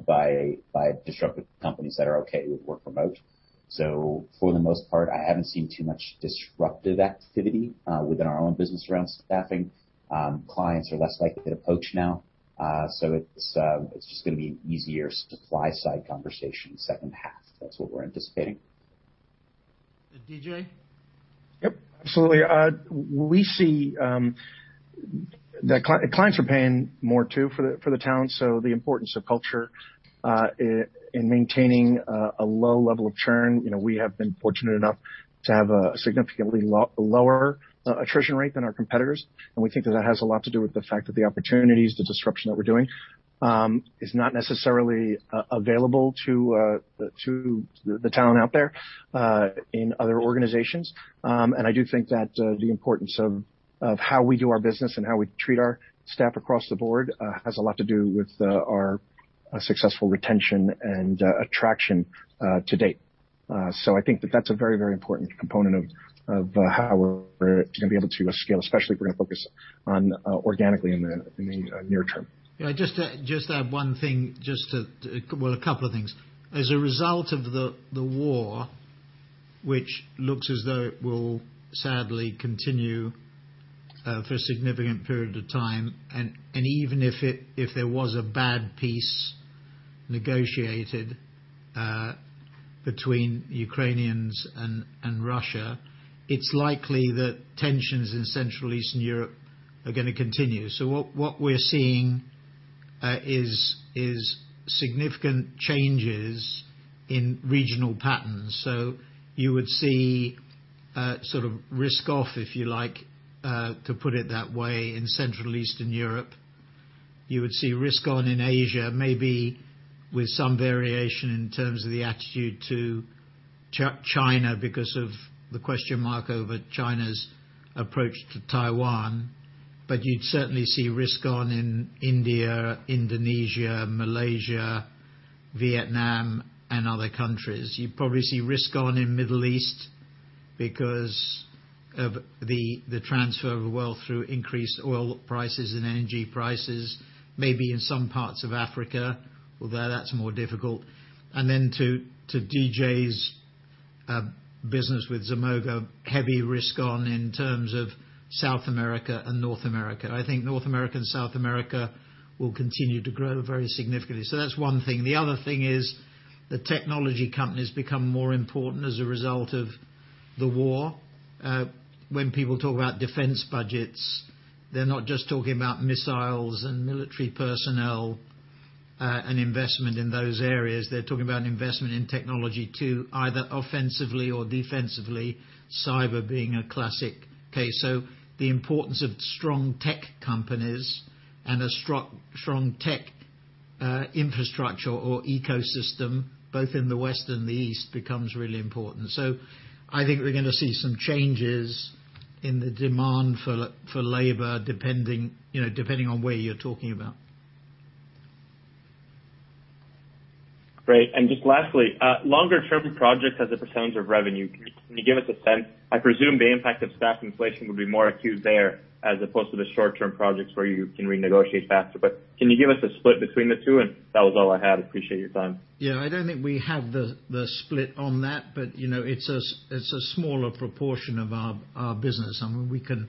by disruptive companies that are okay with work remote. For the most part, I haven't seen too much disruptive activity within our own business around staffing. Clients are less likely to poach now. It's just gonna be an easier supply side conversation second half. That's what we're anticipating. DJ? Yep, absolutely. We see that clients are paying more too for the talent, so the importance of culture in maintaining a low level of churn. You know, we have been fortunate enough to have a significantly lower attrition rate than our competitors, and we think that has a lot to do with the fact that the opportunities, the disruption that we're doing, is not necessarily available to the talent out there in other organizations. I do think that the importance of how we do our business and how we treat our staff across the board has a lot to do with our successful retention and attraction to date. I think that that's a very, very important component of how we're gonna be able to scale, especially if we're gonna focus on organically in the near term. Just to add one thing. Well, a couple of things. As a result of the war, which looks as though it will sadly continue for a significant period of time, and even if there was a bad peace negotiated between Ukrainians and Russia, it's likely that tensions in Central Eastern Europe are gonna continue. What we're seeing is significant changes in regional patterns. You would see sort of risk off, if you like, to put it that way, in Central Eastern Europe. You would see risk on in Asia, maybe with some variation in terms of the attitude to China because of the question mark over China's approach to Taiwan. You'd certainly see risk on in India, Indonesia, Malaysia, Vietnam and other countries. You'd probably see risk on in Middle East because of the transfer of wealth through increased oil prices and energy prices. Maybe in some parts of Africa, although that's more difficult. Then DJ's business with Zemoga, heavy risk on in terms of South America and North America. I think North America and South America will continue to grow very significantly. That's one thing. The other thing is the technology companies become more important as a result of the war. When people talk about defense budgets, they're not just talking about missiles and military personnel and investment in those areas. They're talking about investment in technology too, either offensively or defensively, cyber being a classic case. The importance of strong tech companies and a strong tech infrastructure or ecosystem, both in the West and the East, becomes really important. I think we're gonna see some changes in the demand for labor, depending, you know, on where you're talking about. Great. Just lastly, longer term projects as a percentage of revenue, can you give us a sense? I presume the impact of staff inflation would be more acute there as opposed to the short-term projects where you can renegotiate faster. Can you give us a split between the two? That was all I had. Appreciate your time. Yeah, I don't think we have the split on that, but you know, it's a smaller proportion of our business. I mean, we can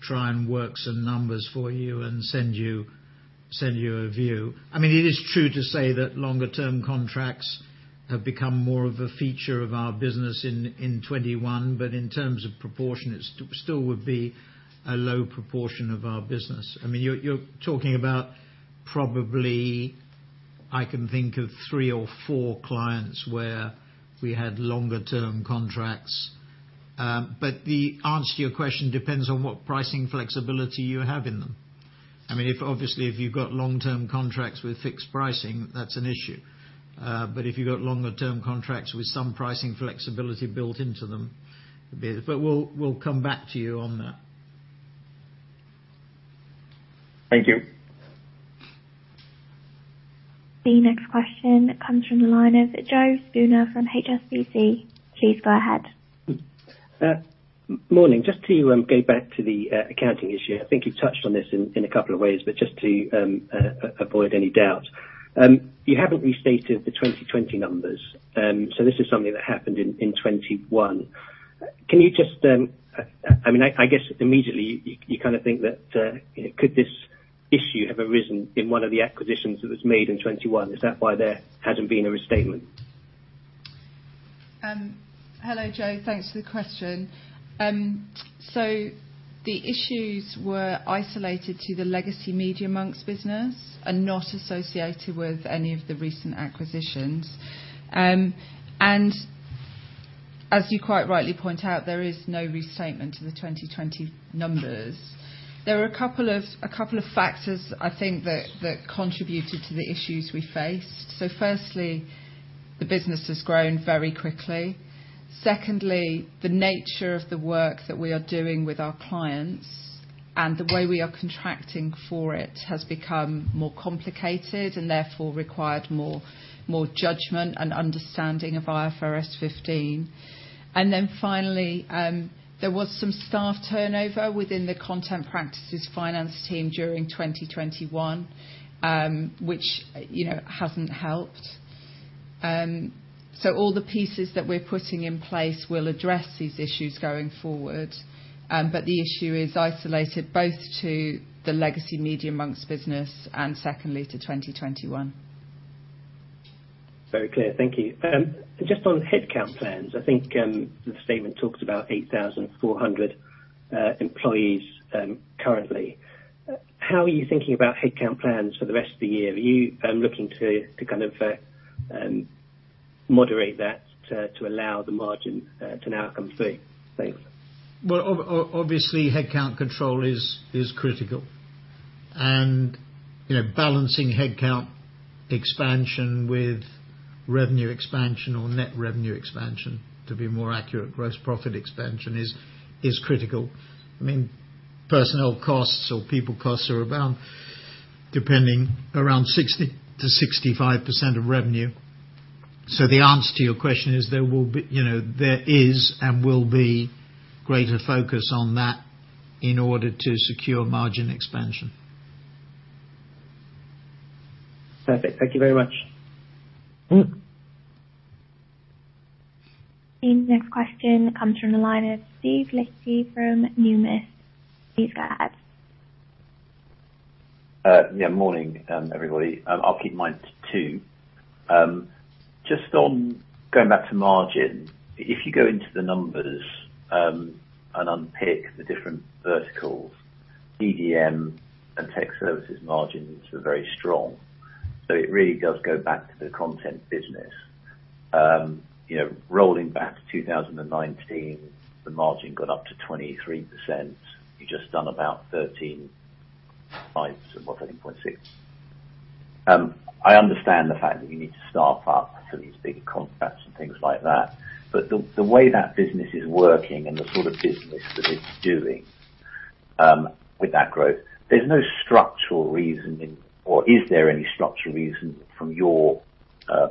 try and work some numbers for you and send you a view. I mean, it is true to say that longer term contracts have become more of a feature of our business in 2021, but in terms of proportion, it still would be a low proportion of our business. I mean, you're talking about probably I can think of three or four clients where we had longer term contracts. The answer to your question depends on what pricing flexibility you have in them. I mean, if obviously if you've got long-term contracts with fixed pricing, that's an issue. If you've got longer term contracts with some pricing flexibility built into them. We'll come back to you on that. Thank you. The next question comes from the line of Joe Spooner from HSBC. Please go ahead. Morning. Just to go back to the accounting issue. I think you've touched on this in a couple of ways, but just to avoid any doubt. You haven't restated the 2020 numbers, so this is something that happened in 2021. Can you just I mean, I guess immediately you kinda think that, you know, could this issue have arisen in one of the acquisitions that was made in 2021? Is that why there hadn't been a restatement? Hello, Joe. Thanks for the question. The issues were isolated to the legacy Media.Monks business and not associated with any of the recent acquisitions. As you quite rightly point out, there is no restatement to the 2020 numbers. There are a couple of factors I think that contributed to the issues we faced. Firstly, the business has grown very quickly. Secondly, the nature of the work that we are doing with our clients and the way we are contracting for it has become more complicated and therefore required more judgment and understanding of IFRS 15. Then finally, there was some staff turnover within the Content practice's finance team during 2021, which, you know, hasn't helped. All the pieces that we're putting in place will address these issues going forward. The issue is isolated both to the legacy Media.Monks business and secondly to 2021. Very clear. Thank you. Just on headcount plans. I think the statement talks about 8,400 employees currently. How are you thinking about headcount plans for the rest of the year? Are you looking to kind of moderate that to allow the margin to now come through? Thanks. Well, obviously, headcount control is critical. You know, balancing headcount expansion with revenue expansion or net revenue expansion to be more accurate, gross profit expansion is critical. I mean, personnel costs or people costs are about depending around 60%-65% of revenue. The answer to your question is there will be. You know, there is and will be greater focus on that in order to secure margin expansion. Perfect. Thank you very much. Mm-hmm. The next question comes from the line of Steve Liechti from Numis. Please go ahead. Morning, everybody. I'll keep mine to two. Just on going back to margin. If you go into the numbers and unpick the different verticals, DDM and tech services margins are very strong, so it really does go back to the content business. You know, rolling back to 2019, the margin got up to 23%. You've just done about 13%, and what, 13.6%. I understand the fact that you need to staff up for these big contracts and things like that, but the way that business is working and the sort of business that it's doing, with that growth, there's no structural reason, or is there any structural reason from your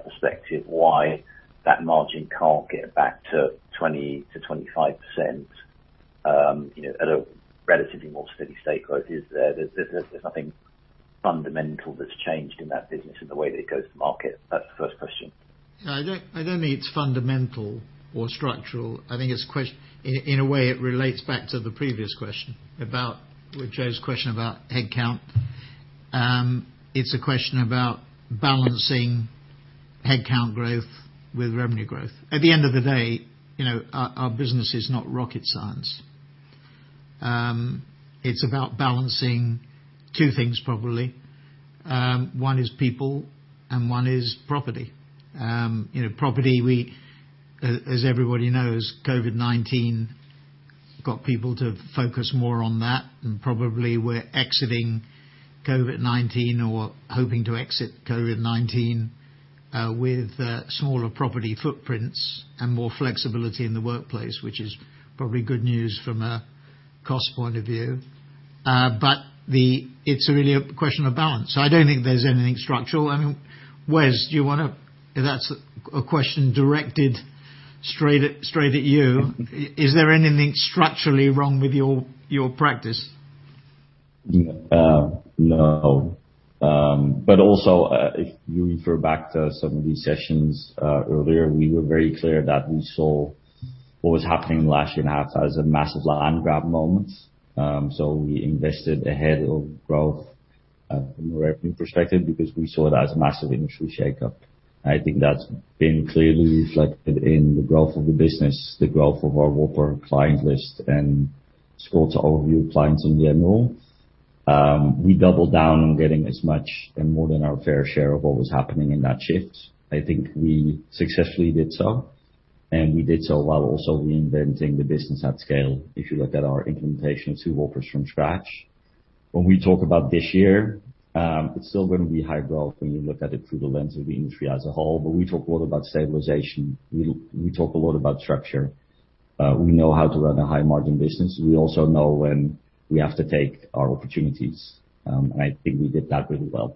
perspective why that margin can't get back to 20%-25%, you know, at a relatively more steady state growth? There's nothing fundamental that's changed in that business in the way that it goes to market? That's the first question. I don't think it's fundamental or structural. In a way, it relates back to the previous question, with Joe's question about headcount. It's a question about balancing headcount growth with revenue growth. At the end of the day, you know, our business is not rocket science. It's about balancing two things, probably. One is people, and one is property. You know, property. As everybody knows, COVID-19 got people to focus more on that, and probably we're exiting COVID-19 or hoping to exit COVID-19 with smaller property footprints and more flexibility in the workplace, which is probably good news from a cost point of view. It's really a question of balance. I don't think there's anything structural. I mean, Wes, do you wanna. If that's a question directed straight at you. Is there anything structurally wrong with your practice? Yeah. No. Also, if you refer back to some of these sessions earlier, we were very clear that we saw what was happening in the last year and a half as a massive land grab moment. We invested ahead of growth from a revenue perspective because we saw it as a massive industry shakeup. I think that's been clearly reflected in the growth of the business, the growth of our Whopper client list and scroll to overview clients in general. We doubled down on getting as much and more than our fair share of what was happening in that shift. I think we successfully did so, and we did so while also reinventing the business at scale, if you look at our implementation of two Whoppers from scratch. When we talk about this year, it's still gonna be high growth when you look at it through the lens of the industry as a whole, but we talk a lot about stabilization. We talk a lot about structure. We know how to run a high margin business. We also know when we have to take our opportunities. I think we did that really well.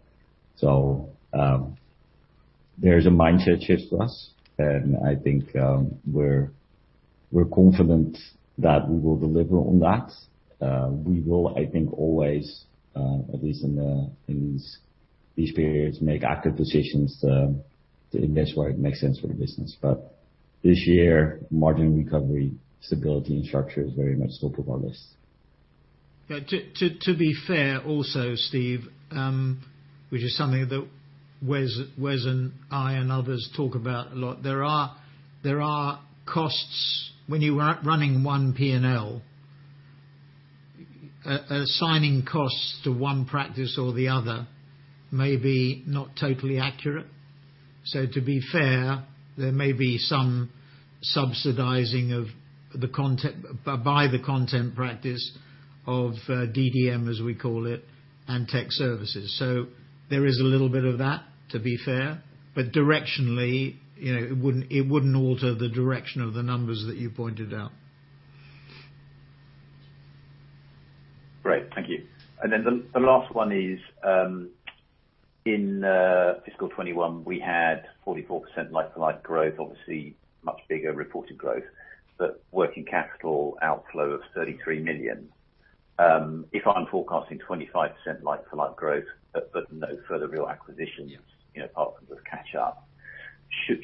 There's a mindset shift for us, and I think we're confident that we will deliver on that. We will, I think, always, at least in these periods, make active decisions to invest where it makes sense for the business. This year, margin recovery, stability, and structure is very much top of our list. Yeah. To be fair also, Steve, which is something that Wes and I and others talk about a lot, there are costs when you are running one P&L. Assigning costs to one practice or the other may not be totally accurate. To be fair, there may be some subsidizing of the Content by DDM, as we call it, and Technology Services. There is a little bit of that, to be fair. Directionally, you know, it wouldn't alter the direction of the numbers that you pointed out. Great. Thank you. Then the last one is in fiscal 2021, we had 44% like-for-like growth. Obviously, much bigger reported growth, but working capital outflow of 33 million. If I'm forecasting 25% like-for-like growth but no further real acquisitions. Yeah. You know, apart from the catch up,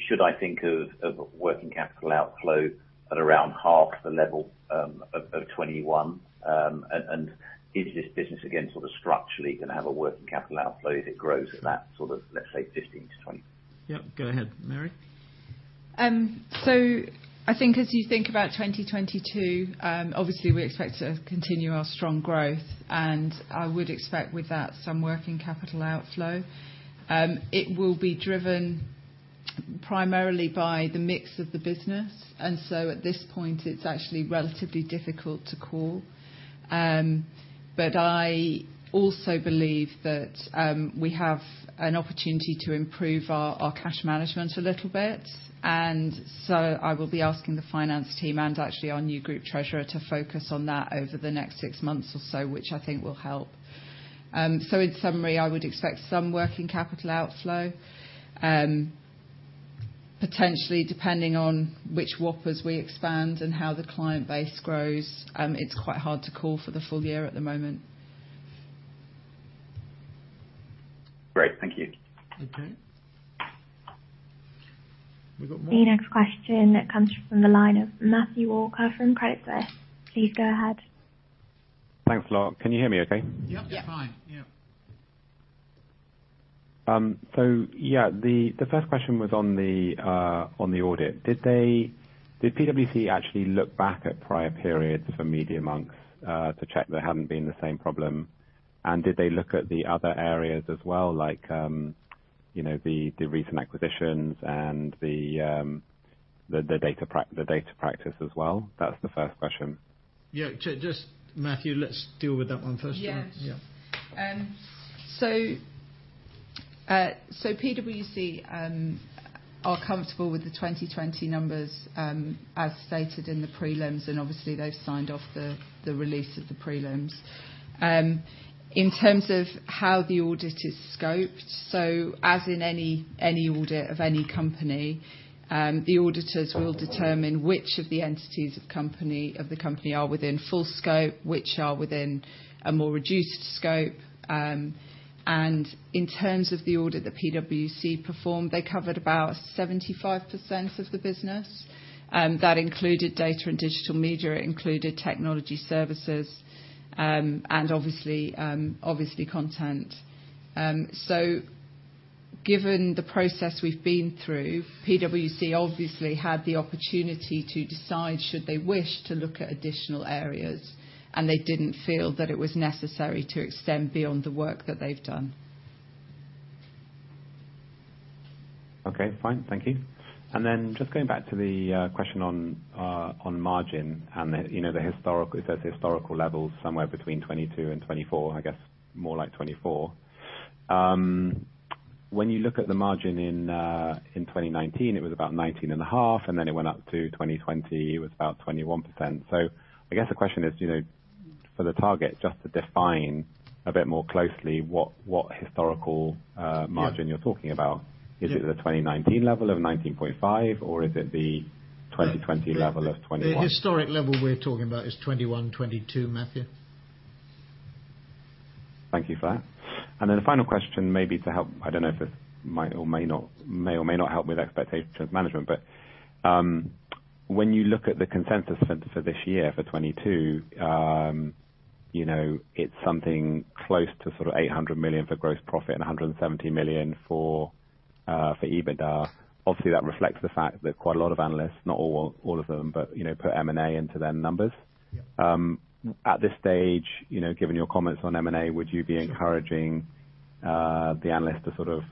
should I think of working capital outflow at around half the level of 2021, and is this business again sort of structurally gonna have a working capital outflow as it grows at that sort of, let's say 15%-20%? Yeah. Go ahead, Mary. I think as you think about 2022, obviously we expect to continue our strong growth. I would expect with that some working capital outflow. It will be driven primarily by the mix of the business. At this point it's actually relatively difficult to call. I also believe that we have an opportunity to improve our cash management a little bit. I will be asking the finance team and actually our new group treasurer to focus on that over the next six months or so, which I think will help. In summary, I would expect some working capital outflow. Potentially depending on which Whoppers we expand and how the client base grows, it's quite hard to call for the full year at the moment. Great. Thank you. Okay. We got more. The next question that comes from the line of Matthew Walker from Credit Suisse. Please go ahead. Thanks a lot. Can you hear me okay? Yep. Yeah. Fine. Yeah. The first question was on the audit. Did PwC actually look back at prior periods for Media.Monks to check there hadn't been the same problem? Did they look at the other areas as well like, you know, the recent acquisitions and the data practice as well? That's the first question. Yeah. Just Matthew, let's deal with that one first then. Yes. Yeah. PwC are comfortable with the 2020 numbers, as stated in the prelims, and obviously they've signed off the release of the prelims. In terms of how the audit is scoped, as in any audit of any company, the auditors will determine which of the entities of the company are within full scope, which are within a more reduced scope. In terms of the audit that PwC performed, they covered about 75% of the business, that included Data & Digital Media. It included Technology Services, and obviously Content. Given the process we've been through, PwC obviously had the opportunity to decide should they wish to look at additional areas, and they didn't feel that it was necessary to extend beyond the work that they've done. Okay, fine. Thank you. Just going back to the question on margin and the historical level somewhere between 22%-24%, I guess more like 24%. When you look at the margin in 2019, it was about 19.5%, and then it went up to 2020, it was about 21%. I guess the question is, you know, for the target, just to define a bit more closely what historical. Yeah. Margin you're talking about. Yeah. Is it the 2019 level of 19.5%, or is it the 2020 level of 21%? The historic level we're talking about is 21%, 22%, Matthew. Thank you for that. Then the final question maybe to help. I don't know if this might or may not help with expectation of management. When you look at the consensus for this year for 2022, you know, it's something close to sort of 800 million for gross profit and 170 million for EBITDA. Obviously that reflects the fact that quite a lot of analysts, not all of them, but you know, put M&A into their numbers. Yeah. At this stage, you know, given your comments on M&A, would you be encouraging the analysts to sort of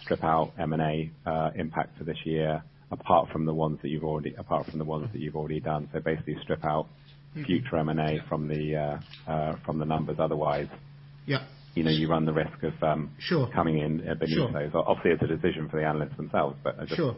strip out M&A impact for this year apart from the ones that you've already done? Basically strip out- Mm-hmm.... future M&A from the numbers. Otherwise Yeah. You know, you run the risk of- Sure. Coming in a bit. Sure. Obviously it's a decision for the analysts themselves, but I just. Sure.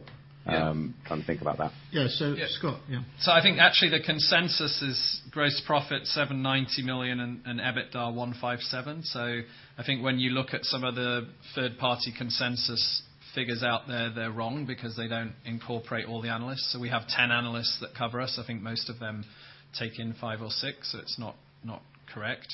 Yeah. Trying to think about that. Yeah. Scott. Yeah. I think actually the consensus is gross profit 790 million and EBITDA 157 million. I think when you look at some of the third-party consensus figures out there, they're wrong because they don't incorporate all the analysts. We have 10 analysts that cover us. I think most of them take in five or six. It's not correct.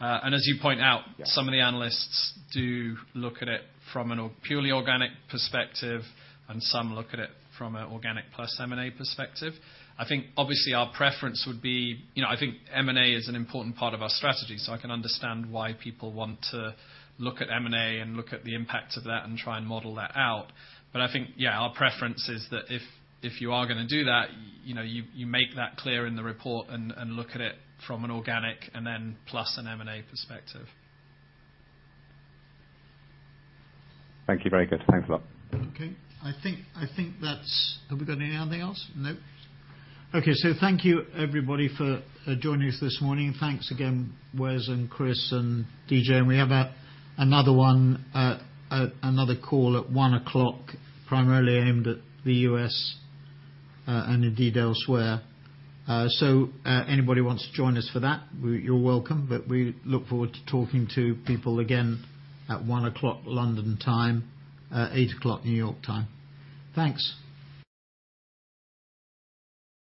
And as you point out. Yeah. Some of the analysts do look at it from a purely organic perspective and some look at it from an organic plus M&A perspective. I think obviously our preference would be. You know, I think M&A is an important part of our strategy, so I can understand why people want to look at M&A and look at the impact of that and try and model that out. I think, yeah, our preference is that if you are gonna do that, you know, you make that clear in the report and look at it from an organic and then plus an M&A perspective. Thank you. Very good. Thanks a lot. Okay. I think that's. Have we got anything else? No. Okay. Thank you everybody for joining us this morning. Thanks again, Wes and Chris and DJ, and we have another call at 1:00 P.M., primarily aimed at the U.S. and indeed elsewhere. Anybody who wants to join us for that, you're welcome. We look forward to talking to people again at 1:00 P.M. London time, 8:00 A.M. New York time. Thanks.